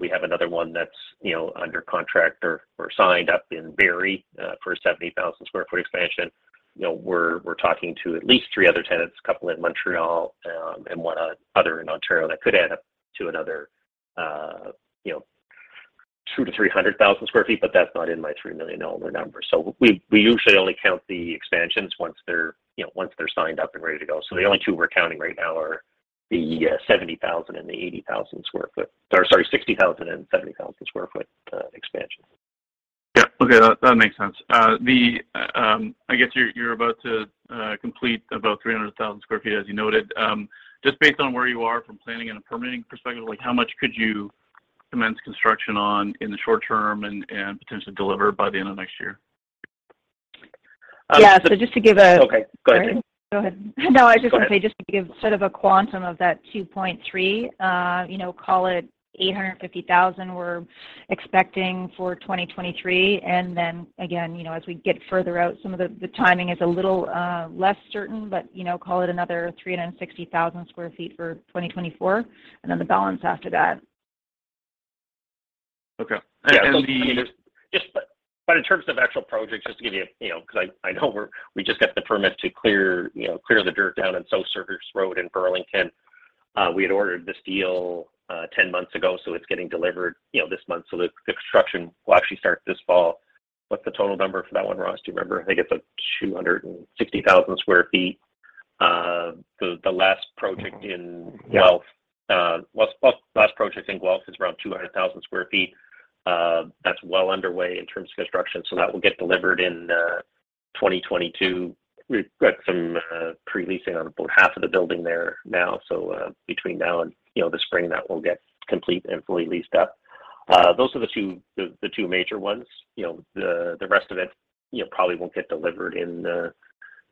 We have another one that's, you know, under contract or signed up in Barrie for a 70,000 sq ft expansion. You know, we're talking to at least three other tenants, a couple in Montreal, and one other in Ontario that could add up to another, you know, 200,000 sq ft-300,000 sq ft, but that's not in my 3 million dollar number. We usually only count the expansions once they're signed up and ready to go. The only two we're counting right now are the 60,000 sq ft and the 70,000 sq ft expansion. Yeah. Okay. That makes sense. I guess you're about to complete about 300,000 sq ft, as you noted. Just based on where you are from planning and a permitting perspective, like, how much could you commence construction on in the short term and potentially deliver by the end of next year? Yeah. Just to give. Okay, go ahead. Sorry. Go ahead. Go ahead. Would say just to give sort of a quantum of that 2.3, you know, call it 850,000 we're expecting for 2023. Then again, you know, as we get further out, some of the timing is a little less certain. You know, call it another 360,000 sq ft for 2024, and then the balance after that. Okay. Yeah. In terms of actual projects, just to give you know, 'cause I know we just got the permits to clear, you know, clear the dirt down in South Service Road in Burlington. We had ordered the steel 10 months ago, so it's getting delivered, you know, this month. The construction will actually start this fall. What's the total number for that one, Ross? Do you remember? I think it's like 260,000 sq ft. The last project in Guelph is around 200,000 sq ft. That's well underway in terms of construction, so that will get delivered in 2022. We've got some pre-leasing on about half of the building there now. Between now and, you know, the spring, that will get complete and fully leased up. Those are the two major ones. You know, the rest of it, you know, probably won't get delivered in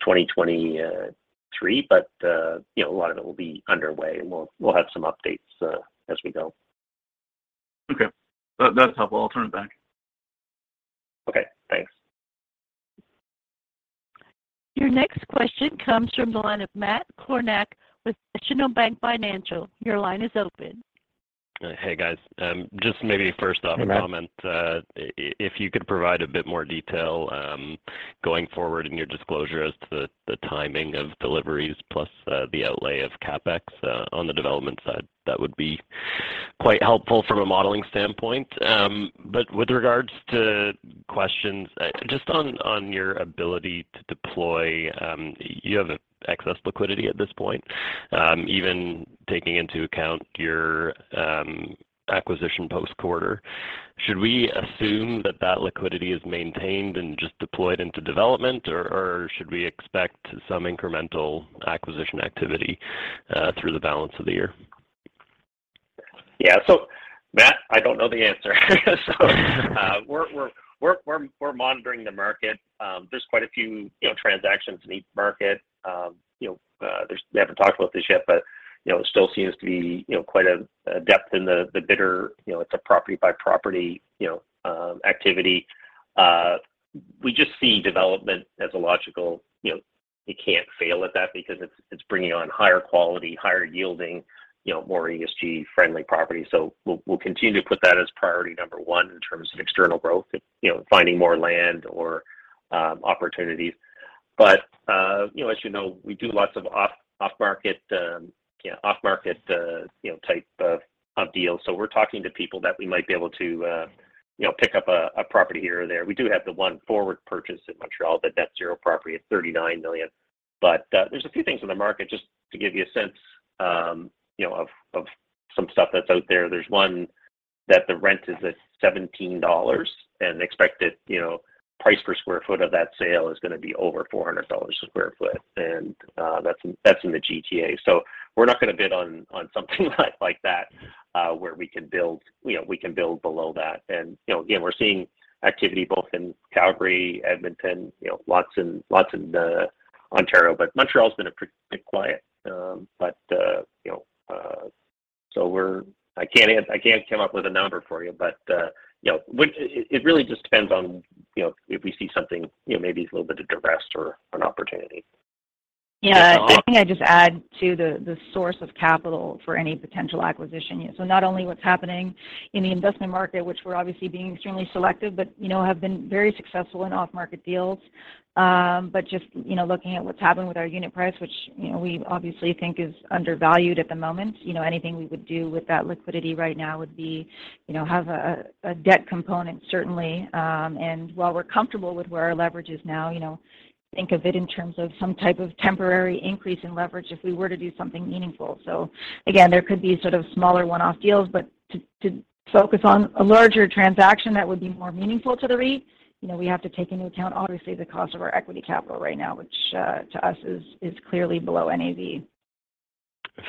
2023. A lot of it will be underway and we'll have some updates as we go. Okay. That, that's helpful. I'll turn it back. Okay. Thanks. Your next question comes from the line of Matt Kornack with National Bank Financial. Your line is open. Hey, guys. Just maybe first off. Hey, Matt. A comment. If you could provide a bit more detail, going forward in your disclosure as to the timing of deliveries plus the outlay of CapEx on the development side. That would be quite helpful from a modeling standpoint. With regards to questions, just on your ability to deploy, you have excess liquidity at this point, even taking into account your acquisition post-quarter. Should we assume that liquidity is maintained and just deployed into development, or should we expect some incremental acquisition activity through the balance of the year? Matt, I don't know the answer. We're monitoring the market. There's quite a few, you know, transactions in each market. You know, we haven't talked about this yet, but, you know, there still seems to be, you know, quite a depth in the bidding. You know, it's a property by property, you know, activity. We just see development as a logical, you know, you can't fail at that because it's bringing on higher quality, higher yielding, you know, more ESG friendly property. We'll continue to put that as priority number one in terms of external growth, you know, finding more land or opportunities. But, you know, as you know, we do lots of off market type of deals. We're talking to people that we might be able to, you know, pick up a property here or there. We do have the one forward purchase in Montreal, that net zero property at 39 million. There's a few things in the market just to give you a sense, you know, of some stuff that's out there. There's one that the rent is at 17 dollars and expected, you know, price per sq ft of that sale is gonna be over 400 dollars a sq ft. That's in the GTA. We're not gonna bid on something like that. Where we can build, you know, we can build below that. We're seeing activity both in Calgary, Edmonton, you know, lots in Ontario. Montreal's been a bit quiet. I can't come up with a number for you. You know, it really just depends on, you know, if we see something, you know, maybe a little bit of distressed or an opportunity. Yeah.I think I'd just add to the source of capital for any potential acquisition unit. Not only what's happening in the investment market, which we're obviously being extremely selective, but you know, have been very successful in off-market deals. But just, you know, looking at what's happening with our unit price, which, you know, we obviously think is undervalued at the moment. You know, anything we would do with that liquidity right now would be, you know, have a debt component certainly. While we're comfortable with where our leverage is now, you know, think of it in terms of some type of temporary increase in leverage if we were to do something meaningful. Again, there could be sort of smaller one-off deals, but to focus on a larger transaction that would be more meaningful to the REIT, you know, we have to take into account obviously the cost of our equity capital right now, which to us is clearly below NAV.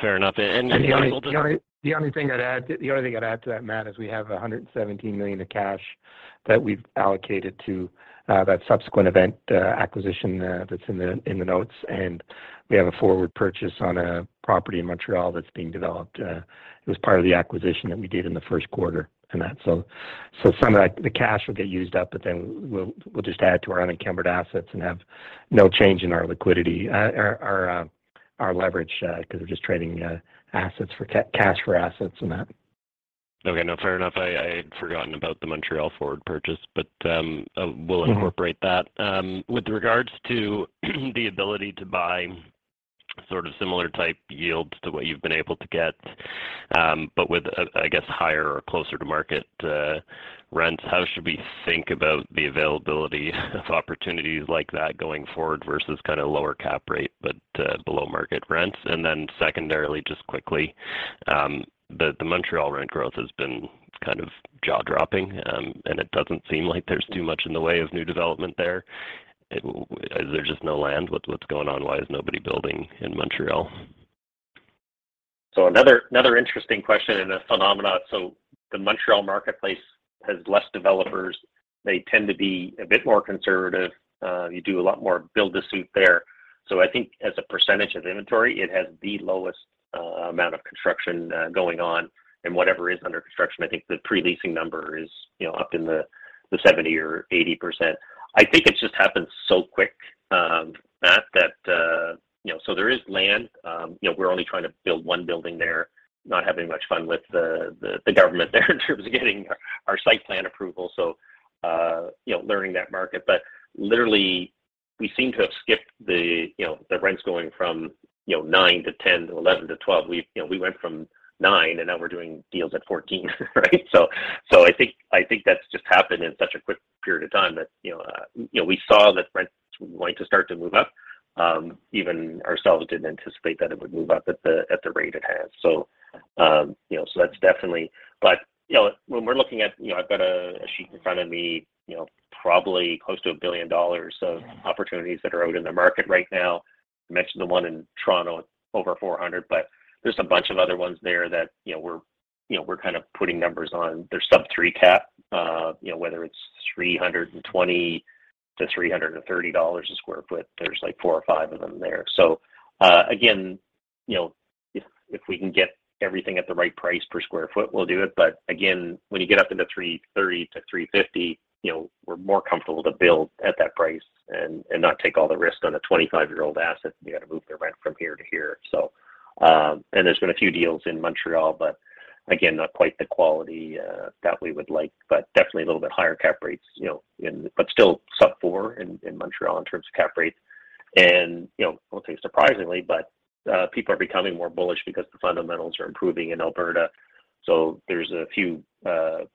Fair enough. Ross Drake anything to add? The only thing I'd add to that, Matt, is we have 117 million of cash that we've allocated to that subsequent event acquisition that's in the notes. We have a forward purchase on a property in Montreal that's being developed. It was part of the acquisition that we did in the first quarter in that. Some of that cash will get used up, but then we'll just add to our unencumbered assets and have no change in our liquidity. Our leverage, because we're just trading assets for cash for assets in that. Okay. No, fair enough. I'd forgotten about the Montreal forward purchase. We'll incorporate that. Mm-hmm. With regards to the ability to buy sort of similar type yields to what you've been able to get, but with a, I guess higher or closer to market, rents. How should we think about the availability of opportunities like that going forward versus kind of lower cap rate but, below market rents? Secondarily, just quickly, the Montreal rent growth has been kind of jaw-dropping. And it doesn't seem like there's too much in the way of new development there. Is there just no land? What's going on? Why is nobody building in Montreal? Another interesting question and a phenomenon. The Montreal marketplace has less developers. They tend to be a bit more conservative. You do a lot more build-to-suit there. I think as a percentage of inventory, it has the lowest amount of construction going on. Whatever is under construction, I think the pre-leasing number is, you know, up in the 70% or 80%. I think it's just happened so quick, Matt, that, you know, so there is land. You know, we're only trying to build one building there, not having much fun with the government there in terms of getting our site plan approval. You know, learning that market. Literally we seem to have skipped the, you know, the rents going from, you know, 9 to 10 to 11 to 12. We went from nine, and now we're doing deals at 14, right? I think that's just happened in such a quick period of time that you know we saw that rents were going to start to move up. Even ourselves didn't anticipate that it would move up at the rate it has. You know, that's definitely. When we're looking at, I've got a sheet in front of me, you know, probably close to 1 billion dollars of opportunities that are out in the market right now. I mentioned the one in Toronto, over 400. There's a bunch of other ones there that you know we're kind of putting numbers on. They're sub-3 cap. You know, whether it's 320 sq ft-CAD 330 a sq ft, there's like 4 or 5 of them there. Again, you know, if we can get everything at the right price per sq ft, we'll do it. Again, when you get up into 330-350, you know, we're more comfortable to build at that price and not take all the risk on a 25-year-old asset. You got to move the rent from here to here. There's been a few deals in Montreal, but again, not quite the quality that we would like. Definitely a little bit higher cap rates, you know, in Montreal. Still sub-4% in Montreal in terms of cap rates. You know, I won't say surprisingly, but people are becoming more bullish because the fundamentals are improving in Alberta. There's a few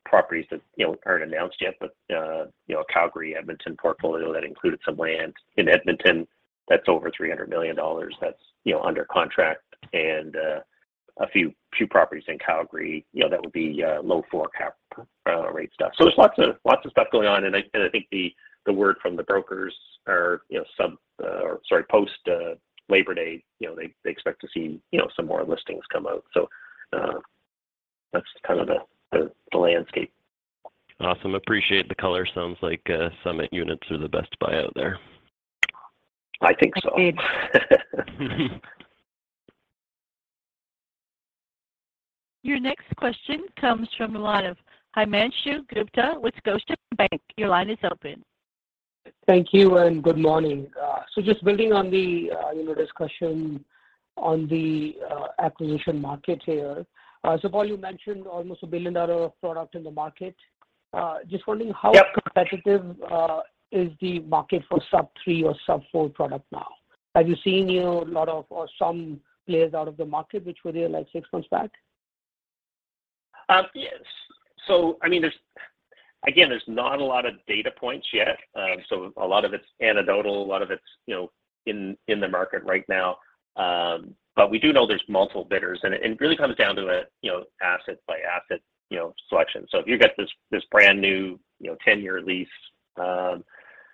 properties that, you know, aren't announced yet. You know, Calgary, Edmonton portfolio that included some land. In Edmonton, that's over 300 million dollars that's, you know, under contract. A few properties in Calgary, you know, that would be low 4 cap rate stuff. There's lots of stuff going on. I think the word from the brokers are, you know, post Labor Day, you know, they expect to see, you know, some more listings come out. That's kind of the landscape. Awesome. Appreciate the color. Sounds like, Summit units are the best buy out there. I think so. I think. Your next question comes from the line of Himanshu Gupta with Scotiabank. Your line is open. Thank you, and good morning. Just building on the, you know, discussion on the acquisition market here. Paul, you mentioned almost 1 billion dollar of product in the market. Just wondering how competitive is the market for sub three or sub four product now? Are you seeing, you know, a lot of or some players out of the market which were there like six months back? Yes. I mean, again, there's not a lot of data points yet. A lot of it's anecdotal, you know, in the market right now. We do know there's multiple bidders. It really comes down to a, you know, asset by asset, you know, selection. If you've got this brand new, you know, 10-year lease,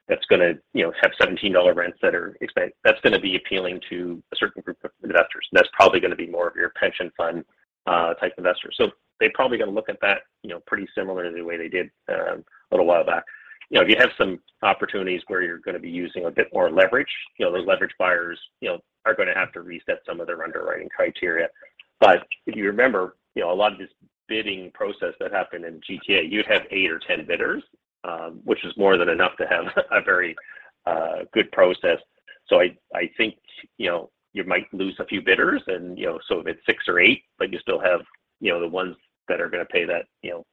that's gonna, you know, have 17 dollar rents that's gonna be appealing to a certain group of investors, and that's probably gonna be more of your pension fund type investor. They probably gonna look at that, you know, pretty similar to the way they did a little while back. You know, if you have some opportunities where you're gonna be using a bit more leverage, you know, those leverage buyers, you know, are gonna have to reset some of their underwriting criteria. If you remember, you know, a lot of this bidding process that happened in GTA, you'd have eight or 10 bidders, which is more than enough to have a very good process. I think, you know, you might lose a few bidders and, you know, so if it's six or eight, but you still have, you know, the ones that are gonna pay that, you know,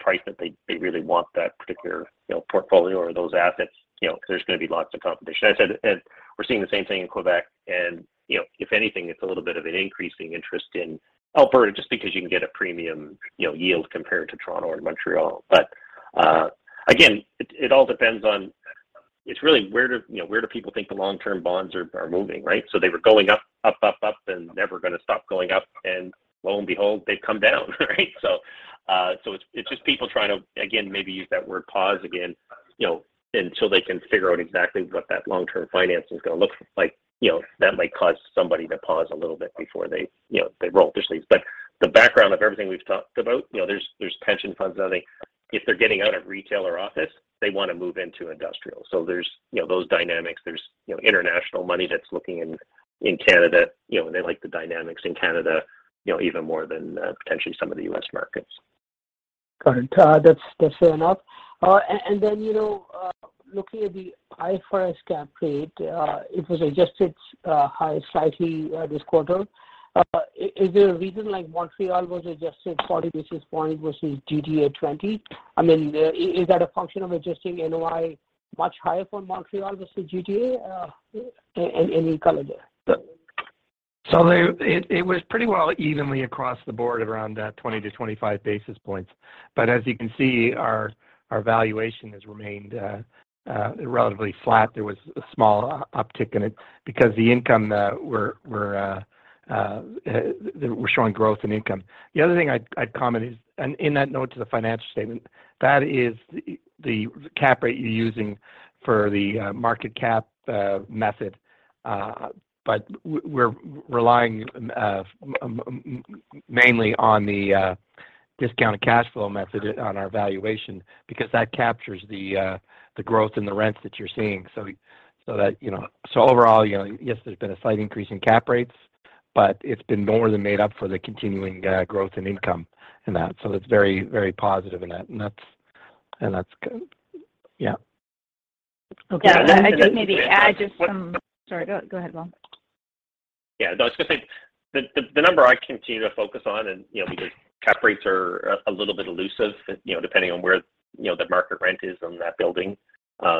price that they really want that particular, you know, portfolio or those assets, you know, there's gonna be lots of competition. I said, we're seeing the same thing in Quebec and, you know, if anything, it's a little bit of an increasing interest in Alberta just because you can get a premium, you know, yield compared to Toronto and Montreal. Again, it all depends on where, you know, people think the long-term bonds are moving, right? They were going up and never gonna stop going up, and lo and behold, they've come down, right? It's just people trying to, again, maybe use that word pause again, you know, until they can figure out exactly what that long-term finance is gonna look like. You know, that might cause somebody to pause a little bit before they, you know, roll up their sleeves. The background of everything we've talked about, you know, there's pension funds knowing if they're getting out of retail or office, they wanna move into industrial. There's, you know, those dynamics. There's, you know, international money that's looking in Canada. You know, they like the dynamics in Canada, you know, even more than potentially some of the U.S. markets. Got it. That's fair enough. You know, looking at the IFRS cap rate, it was adjusted higher slightly, this quarter. Is there a reason, like Montreal was adjusted 40 basis points versus GTA 20? I mean, is that a function of adjusting NOI much higher for Montreal versus GTA? Any color there? It was pretty well evenly across the board around 20 basis points-25 basis points. As you can see, our valuation has remained relatively flat. There was a small uptick in it because the income we're showing growth in income. The other thing I'd comment is in that note to the financial statement, that is the cap rate you're using for the market cap method. We're relying mainly on the discounted cash flow method on our valuation because that captures the growth and the rents that you're seeing. That, you know. Overall, you know, yes, there's been a slight increase in cap rates, but it's been more than made up for the continuing growth and income in that. It's very, very positive in that. That's good. Yeah. Okay. I think. Yeah. Sorry. Go ahead, Paul Dykeman. Yeah. No, I was gonna say the number I continue to focus on and, you know, because cap rates are a little bit elusive, you know, depending on where, you know, the market rent is on that building,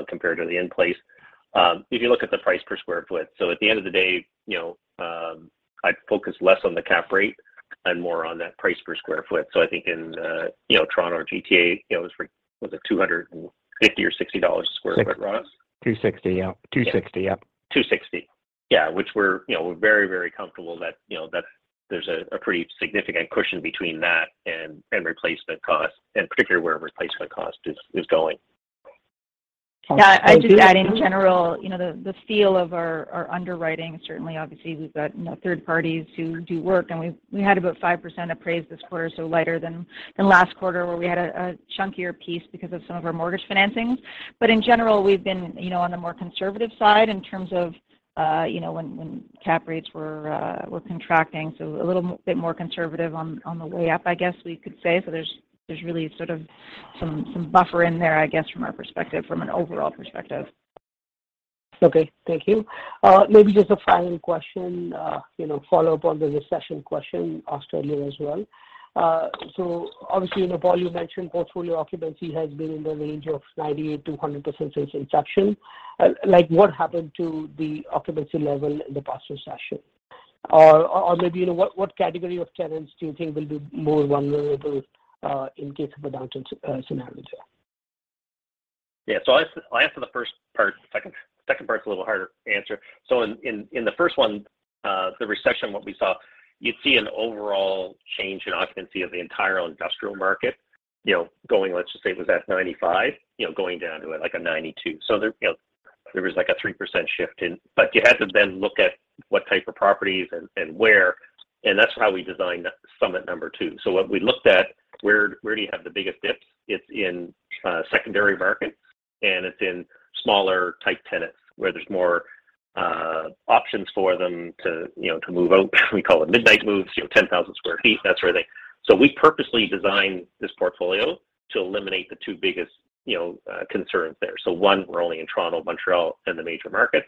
compared to the in-place. If you look at the price per sq ft. At the end of the day, you know, I'd focus less on the cap rate and more on that price per sq ft. I think in, you know, Toronto or GTA, you know, it was for 250 sq ft or 260 a sq ft, Ross? 260. Yeah. 260. Yeah. Which we're, you know, we're very, very comfortable that, you know, that there's a pretty significant cushion between that and replacement cost, and particularly where replacement cost is going. Okay. Thank you. Yeah. I'd just add in general, you know, the feel of our underwriting. Certainly obviously we've got, you know, third parties who do work, and we had about 5% appraised this quarter, so lighter than last quarter where we had a chunkier piece because of some of our mortgage financings. In general, we've been, you know, on the more conservative side in terms of, you know, when cap rates were contracting, so a little bit more conservative on the way up, I guess we could say. There's really sort of some buffer in there I guess from our perspective, from an overall perspective. Okay. Thank you. Maybe just a final question, you know, follow-up on the recession question asked earlier as well. So obviously, you know, Paul, you mentioned portfolio occupancy has been in the range of 98%-100% since inception. Like, what happened to the occupancy level in the past recession? Or maybe, you know, what category of tenants do you think will be more vulnerable in case of a downturn scenario? I'll answer the first part. Second part's a little harder to answer. In the first one, the recession, what we saw, you'd see an overall change in occupancy of the entire industrial market, you know, going, let's just say it was at 95, you know, going down to, like, a 92. There, you know, there was, like, a 3% shift in. But you had to then look at what type of properties and where, and that's how we designed Summit number two. What we looked at, where do you have the biggest dips? It's in secondary markets, and it's in smaller type tenants where there's more options for them to, you know, to move out. We call it midnight moves, you know, 10,000 sq ft, that sort of thing. We purposely designed this portfolio to eliminate the two biggest, you know, concerns there. One, we're only in Toronto, Montreal, and the major markets.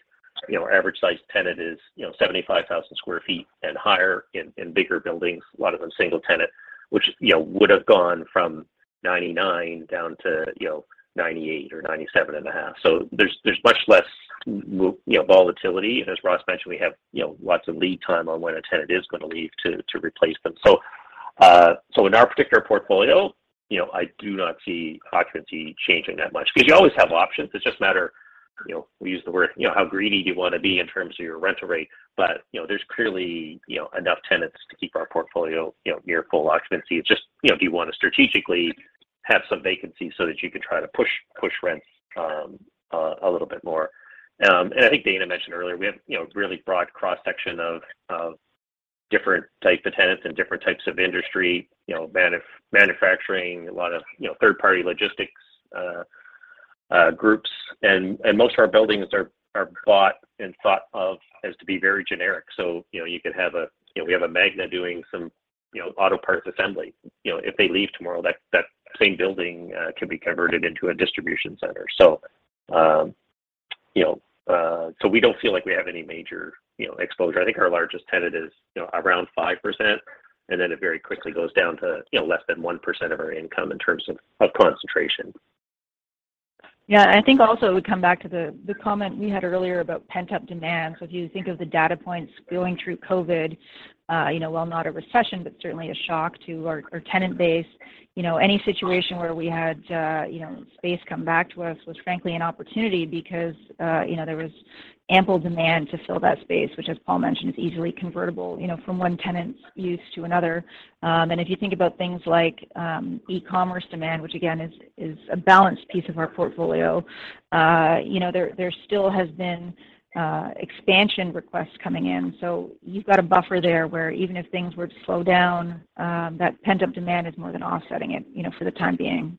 You know, our average size tenant is, you know, 75,000 sq ft and higher in bigger buildings, a lot of them single tenant, which, you know, would've gone from 99% down to, you know, 98% or 97.5%. There's much less, you know, volatility. As Ross mentioned, we have, you know, lots of lead time on when a tenant is gonna leave to replace them. In our particular portfolio, you know, I do not see occupancy changing that much 'cause you always have options. It's just a matter you know, we use the word, you know, how greedy you want to be in terms of your rental rate. You know, there's clearly, you know, enough tenants to keep our portfolio, you know, near full occupancy. It's just, you know, do you want to strategically have some vacancies so that you can try to push rents a little bit more. I think Dayna mentioned earlier, we have, you know, a really broad cross-section of different types of tenants and different types of industry. You know, manufacturing a lot of, you know, third-party logistics groups. Most of our buildings are bought and thought of as to be very generic. You know, you could have a, you know, we have a Magna doing some, you know, auto parts assembly. You know, if they leave tomorrow, that same building could be converted into a distribution center. You know, so we don't feel like we have any major, you know, exposure. I think our largest tenant is, you know, around 5%, and then it very quickly goes down to, you know, less than 1% of our income in terms of concentration. Yeah. I think also it would come back to the comment we had earlier about pent-up demand. If you think of the data points going through COVID, you know, while not a recession, but certainly a shock to our tenant base. You know, any situation where we had space come back to us was frankly an opportunity because, you know, there was ample demand to fill that space, which as Paul mentioned, is easily convertible, you know, from one tenant's use to another. If you think about things like e-commerce demand, which again is a balanced piece of our portfolio, you know, there still has been expansion requests coming in. You've got a buffer there, where even if things were to slow down, that pent-up demand is more than offsetting it, you know, for the time being.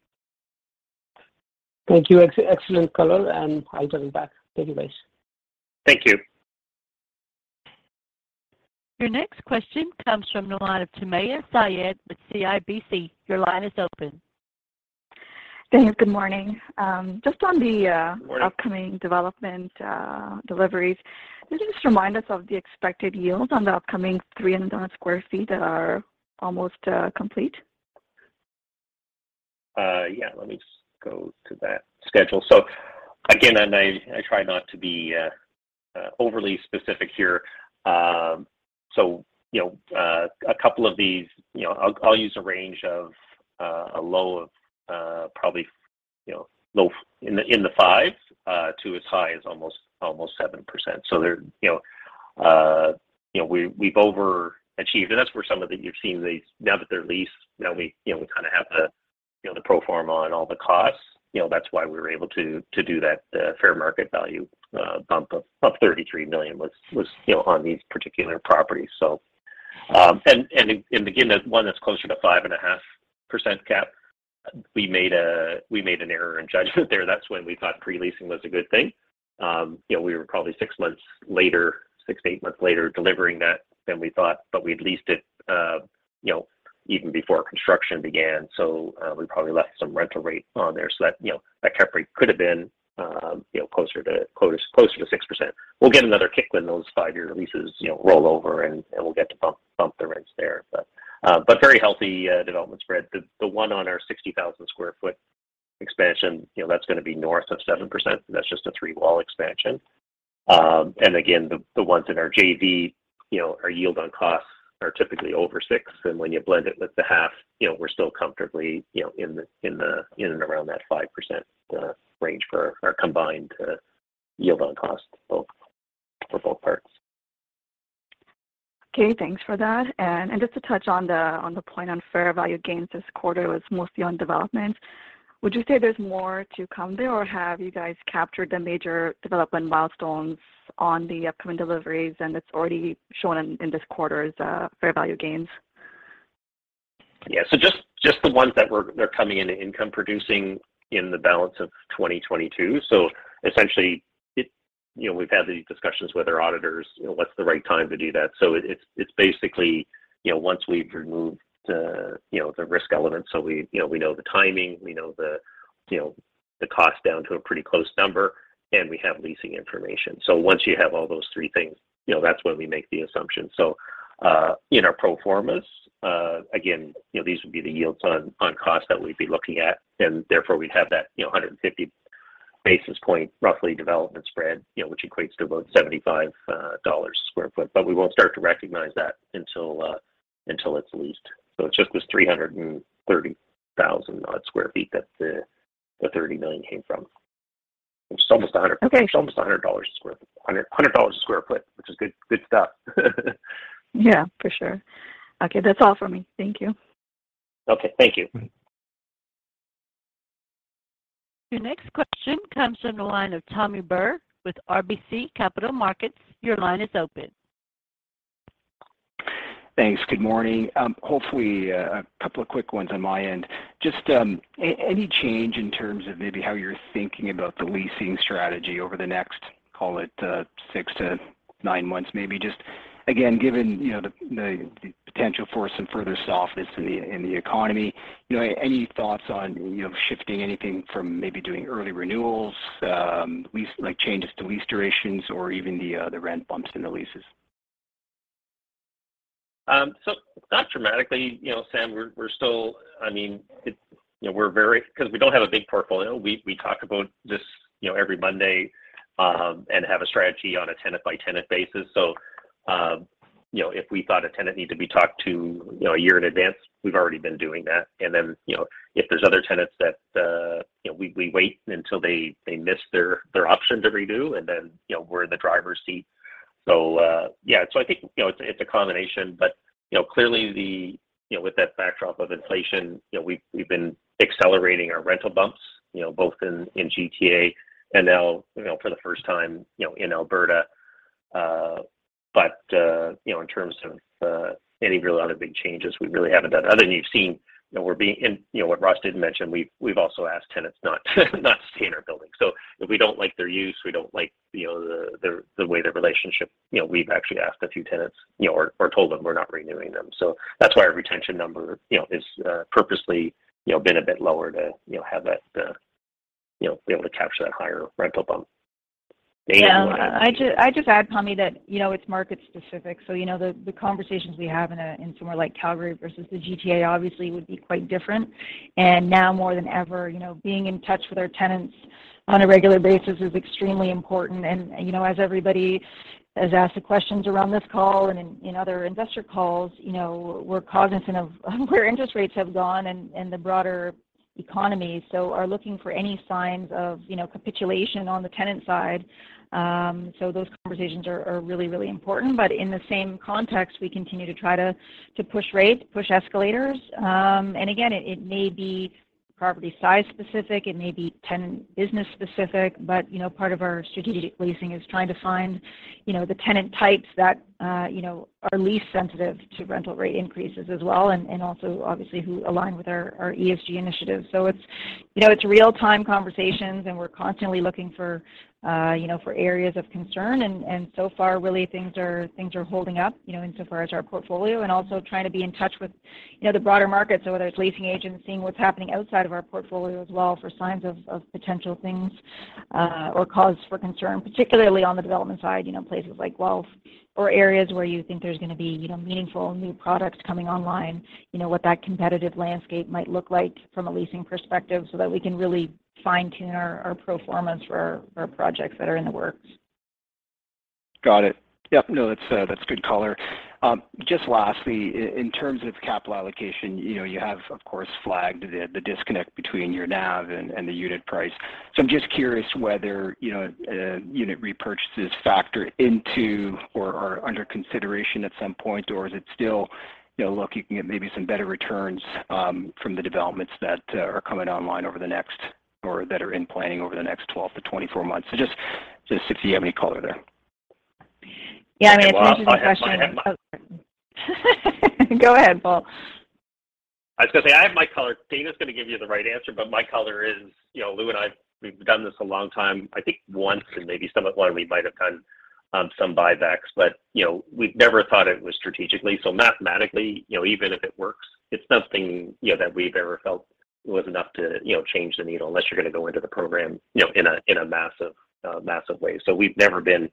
Thank you. Excellent color, I'll join back. Thank you, guys. Thank you. Your next question comes from the line of Sam Damiani with TD Securities. Your line is open. Thanks. Good morning. Just on the- Good morning. Upcoming development deliveries. Can you just remind us of the expected yields on the upcoming 300 sq ft that are almost complete? Yeah. Let me just go to that schedule. I try not to be overly specific here. You know, a couple of these, you know, I'll use a range of a low of probably, you know, low in the 5s to as high as almost 7%. They're, you know, you know, we've overachieved. That's where some of the you've seen these. Now that they're leased, now we, you know, we kind of have the, you know, the pro forma on all the costs. You know, that's why we were able to do that fair market value bump of 33 million was, you know, on these particular properties. Again, one that's closer to 5.5% cap, we made an error in judgment there. That's when we thought pre-leasing was a good thing. You know, we were probably six months later, six months to eight months later delivering that than we thought. We'd leased it, you know, even before construction began. We probably left some rental rate on there so that, you know, that cap rate could have been, you know, closer to 6%. We'll get another kick when those five-year leases, you know, roll over, and we'll get to bump the rents there. Very healthy development spread. The one on our 60,000-sq-ft expansion, you know, that's going to be north of 7%. That's just a three-wall expansion. The ones in our JV, you know, our yield on cost are typically over 6%. When you blend it with the half, you know, we're still comfortably, you know, in and around that 5% range for our combined yield on cost for both parts. Okay, thanks for that. Just to touch on the point on fair value gains this quarter was mostly on development. Would you say there's more to come there, or have you guys captured the major development milestones on the upcoming deliveries and it's already shown in this quarter's fair value gains? Yeah. Just the ones they're coming into income producing in the balance of 2022. Essentially, you know, we've had these discussions with our auditors, you know, what's the right time to do that. It's basically, you know, once we've removed the, you know, the risk element. We, you know, we know the timing, we know the, you know, the cost down to a pretty close number, and we have leasing information. Once you have all those three things, you know, that's when we make the assumption. In our pro formas, again, you know, these would be the yields on cost that we'd be looking at, and therefore we'd have that, you know, 150 basis point roughly development spread, you know, which equates to about 75 dollars a sq ft. We won't start to recognize that until it's leased. It just was 330,000-odd sq ft that the 30 million came from. It's almost a hundred Okay. It's almost 100 dollars a sq ft, which is good stuff. Yeah, for sure. Okay. That's all for me. Thank you. Okay, thank you. Your next question comes from the line of Tommy Burt with RBC Capital Markets. Your line is open. Thanks. Good morning. Hopefully a couple of quick ones on my end. Just any change in terms of maybe how you're thinking about the leasing strategy over the next, call it, six to nine months maybe? Just again, given, you know, the potential for some further softness in the economy, you know, any thoughts on, you know, shifting anything from maybe doing early renewals, like changes to lease durations or even the rent bumps in the leases? Not dramatically. You know, Tom, we're still. Because we don't have a big portfolio, we talk about this, you know, every Monday, and have a strategy on a tenant-by-tenant basis. You know, if we thought a tenant needed to be talked to, you know, a year in advance, we've already been doing that. Then, you know, if there's other tenants that, you know, we wait until they miss their option to renew, and then, you know, we're in the driver's seat. Yeah. I think, you know, it's a combination. Clearly, you know, with that backdrop of inflation, you know, we've been accelerating our rental bumps, you know, both in GTA and now, you know, for the first time, you know, in Alberta. You know, in terms of any real lot of big changes, we really haven't done other than you've seen, you know, what Ross didn't mention. We've also asked tenants not to stay in our building. So if we don't like their use, we don't like, you know, the way their relationship, you know, we've actually asked a few tenants, you know, or told them we're not renewing them. So that's why our retention number, you know, is purposely, you know, been a bit lower to, you know, have that, you know, be able to capture that higher rental bump. Dayna, do you wanna add anything? Yeah. I'd just add, Tommy, that, you know, it's market specific. You know, the conversations we have in somewhere like Calgary versus the GTA obviously would be quite different. Now more than ever, you know, being in touch with our tenants on a regular basis is extremely important. You know, as everybody has asked the questions around this call and in other investor calls, you know, we're cognizant of where interest rates have gone and the broader economy, so we're looking for any signs of, you know, capitulation on the tenant side. Those conversations are really important. In the same context, we continue to try to push rates, push escalators. Again, it may be property size specific, it may be tenant business specific, but you know, part of our strategic leasing is trying to find, you know, the tenant types that, you know, are least sensitive to rental rate increases as well and also obviously who align with our ESG initiatives. It's real-time conversations, and we're constantly looking for, you know, for areas of concern. So far really things are holding up, you know, insofar as our portfolio and also trying to be in touch with, you know, the broader market. Whether it's leasing agents seeing what's happening outside of our portfolio as well for signs of potential things or cause for concern, particularly on the development side, you know, places like Guelph or areas where you think there's gonna be, you know, meaningful new products coming online. You know, what that competitive landscape might look like from a leasing perspective so that we can really fine-tune our performance for our projects that are in the works. Got it. Yep. No, that's good color. Just lastly, in terms of capital allocation, you know, you have of course flagged the disconnect between your NAV and the unit price. I'm just curious whether, you know, unit repurchases factor into or are under consideration at some point, or is it still, you know, look, you can get maybe some better returns from the developments that are coming online over the next or that are in planning over the next 12 months-24 months? Just if you have any color there. Yeah, I mean, it's an interesting question. Well, I have my. Go ahead, Paul. I was gonna say, I have my color. Dayna's gonna give you the right answer, but my color is, you know, Lou and I, we've done this a long time. I think once and maybe somewhat more we might have done some buybacks, but, you know, we've never thought it was strategically. So mathematically, you know, even if it works, it's nothing, you know, that we've ever felt was enough to, you know, change the needle unless you're gonna go into the program, you know, in a massive way. So we've never been,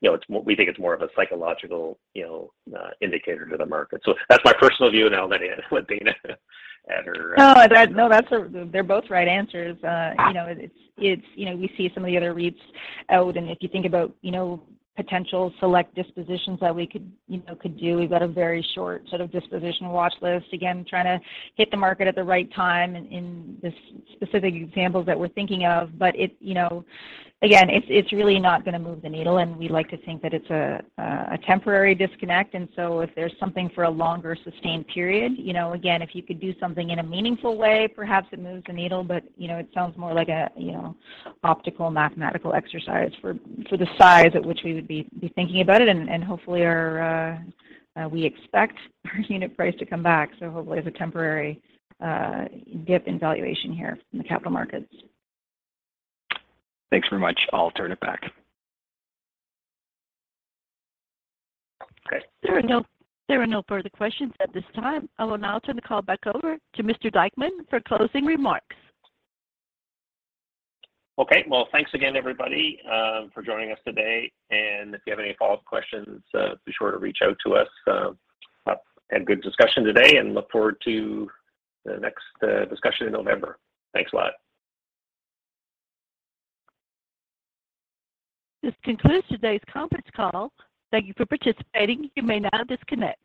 you know, it's more, we think it's more of a psychological, you know, indicator to the market. So that's my personal view. I'll let Dayna add her No, they're both right answers. You know, it's, you know, we see some of the other REITs out, and if you think about, you know, potential select dispositions that we could, you know, could do. We've got a very short sort of disposition watch list, again, trying to hit the market at the right time in the specific examples that we're thinking of. It, you know, again, it's really not gonna move the needle, and we like to think that it's a temporary disconnect. If there's something for a longer sustained period, you know, again, if you could do something in a meaningful way, perhaps it moves the needle, but, you know, it sounds more like a, you know, optical mathematical exercise for the size at which we would be thinking about it. Hopefully we expect our unit price to come back. Hopefully it's a temporary dip in valuation here in the capital markets. Thanks very much. I'll turn it back. Okay. There are no further questions at this time. I will now turn the call back over to Mr. Dykeman for closing remarks. Okay. Well, thanks again, everybody, for joining us today. If you have any follow-up questions, be sure to reach out to us. Had good discussion today and look forward to the next discussion in November. Thanks a lot. This concludes today's conference call. Thank you for participating. You may now disconnect.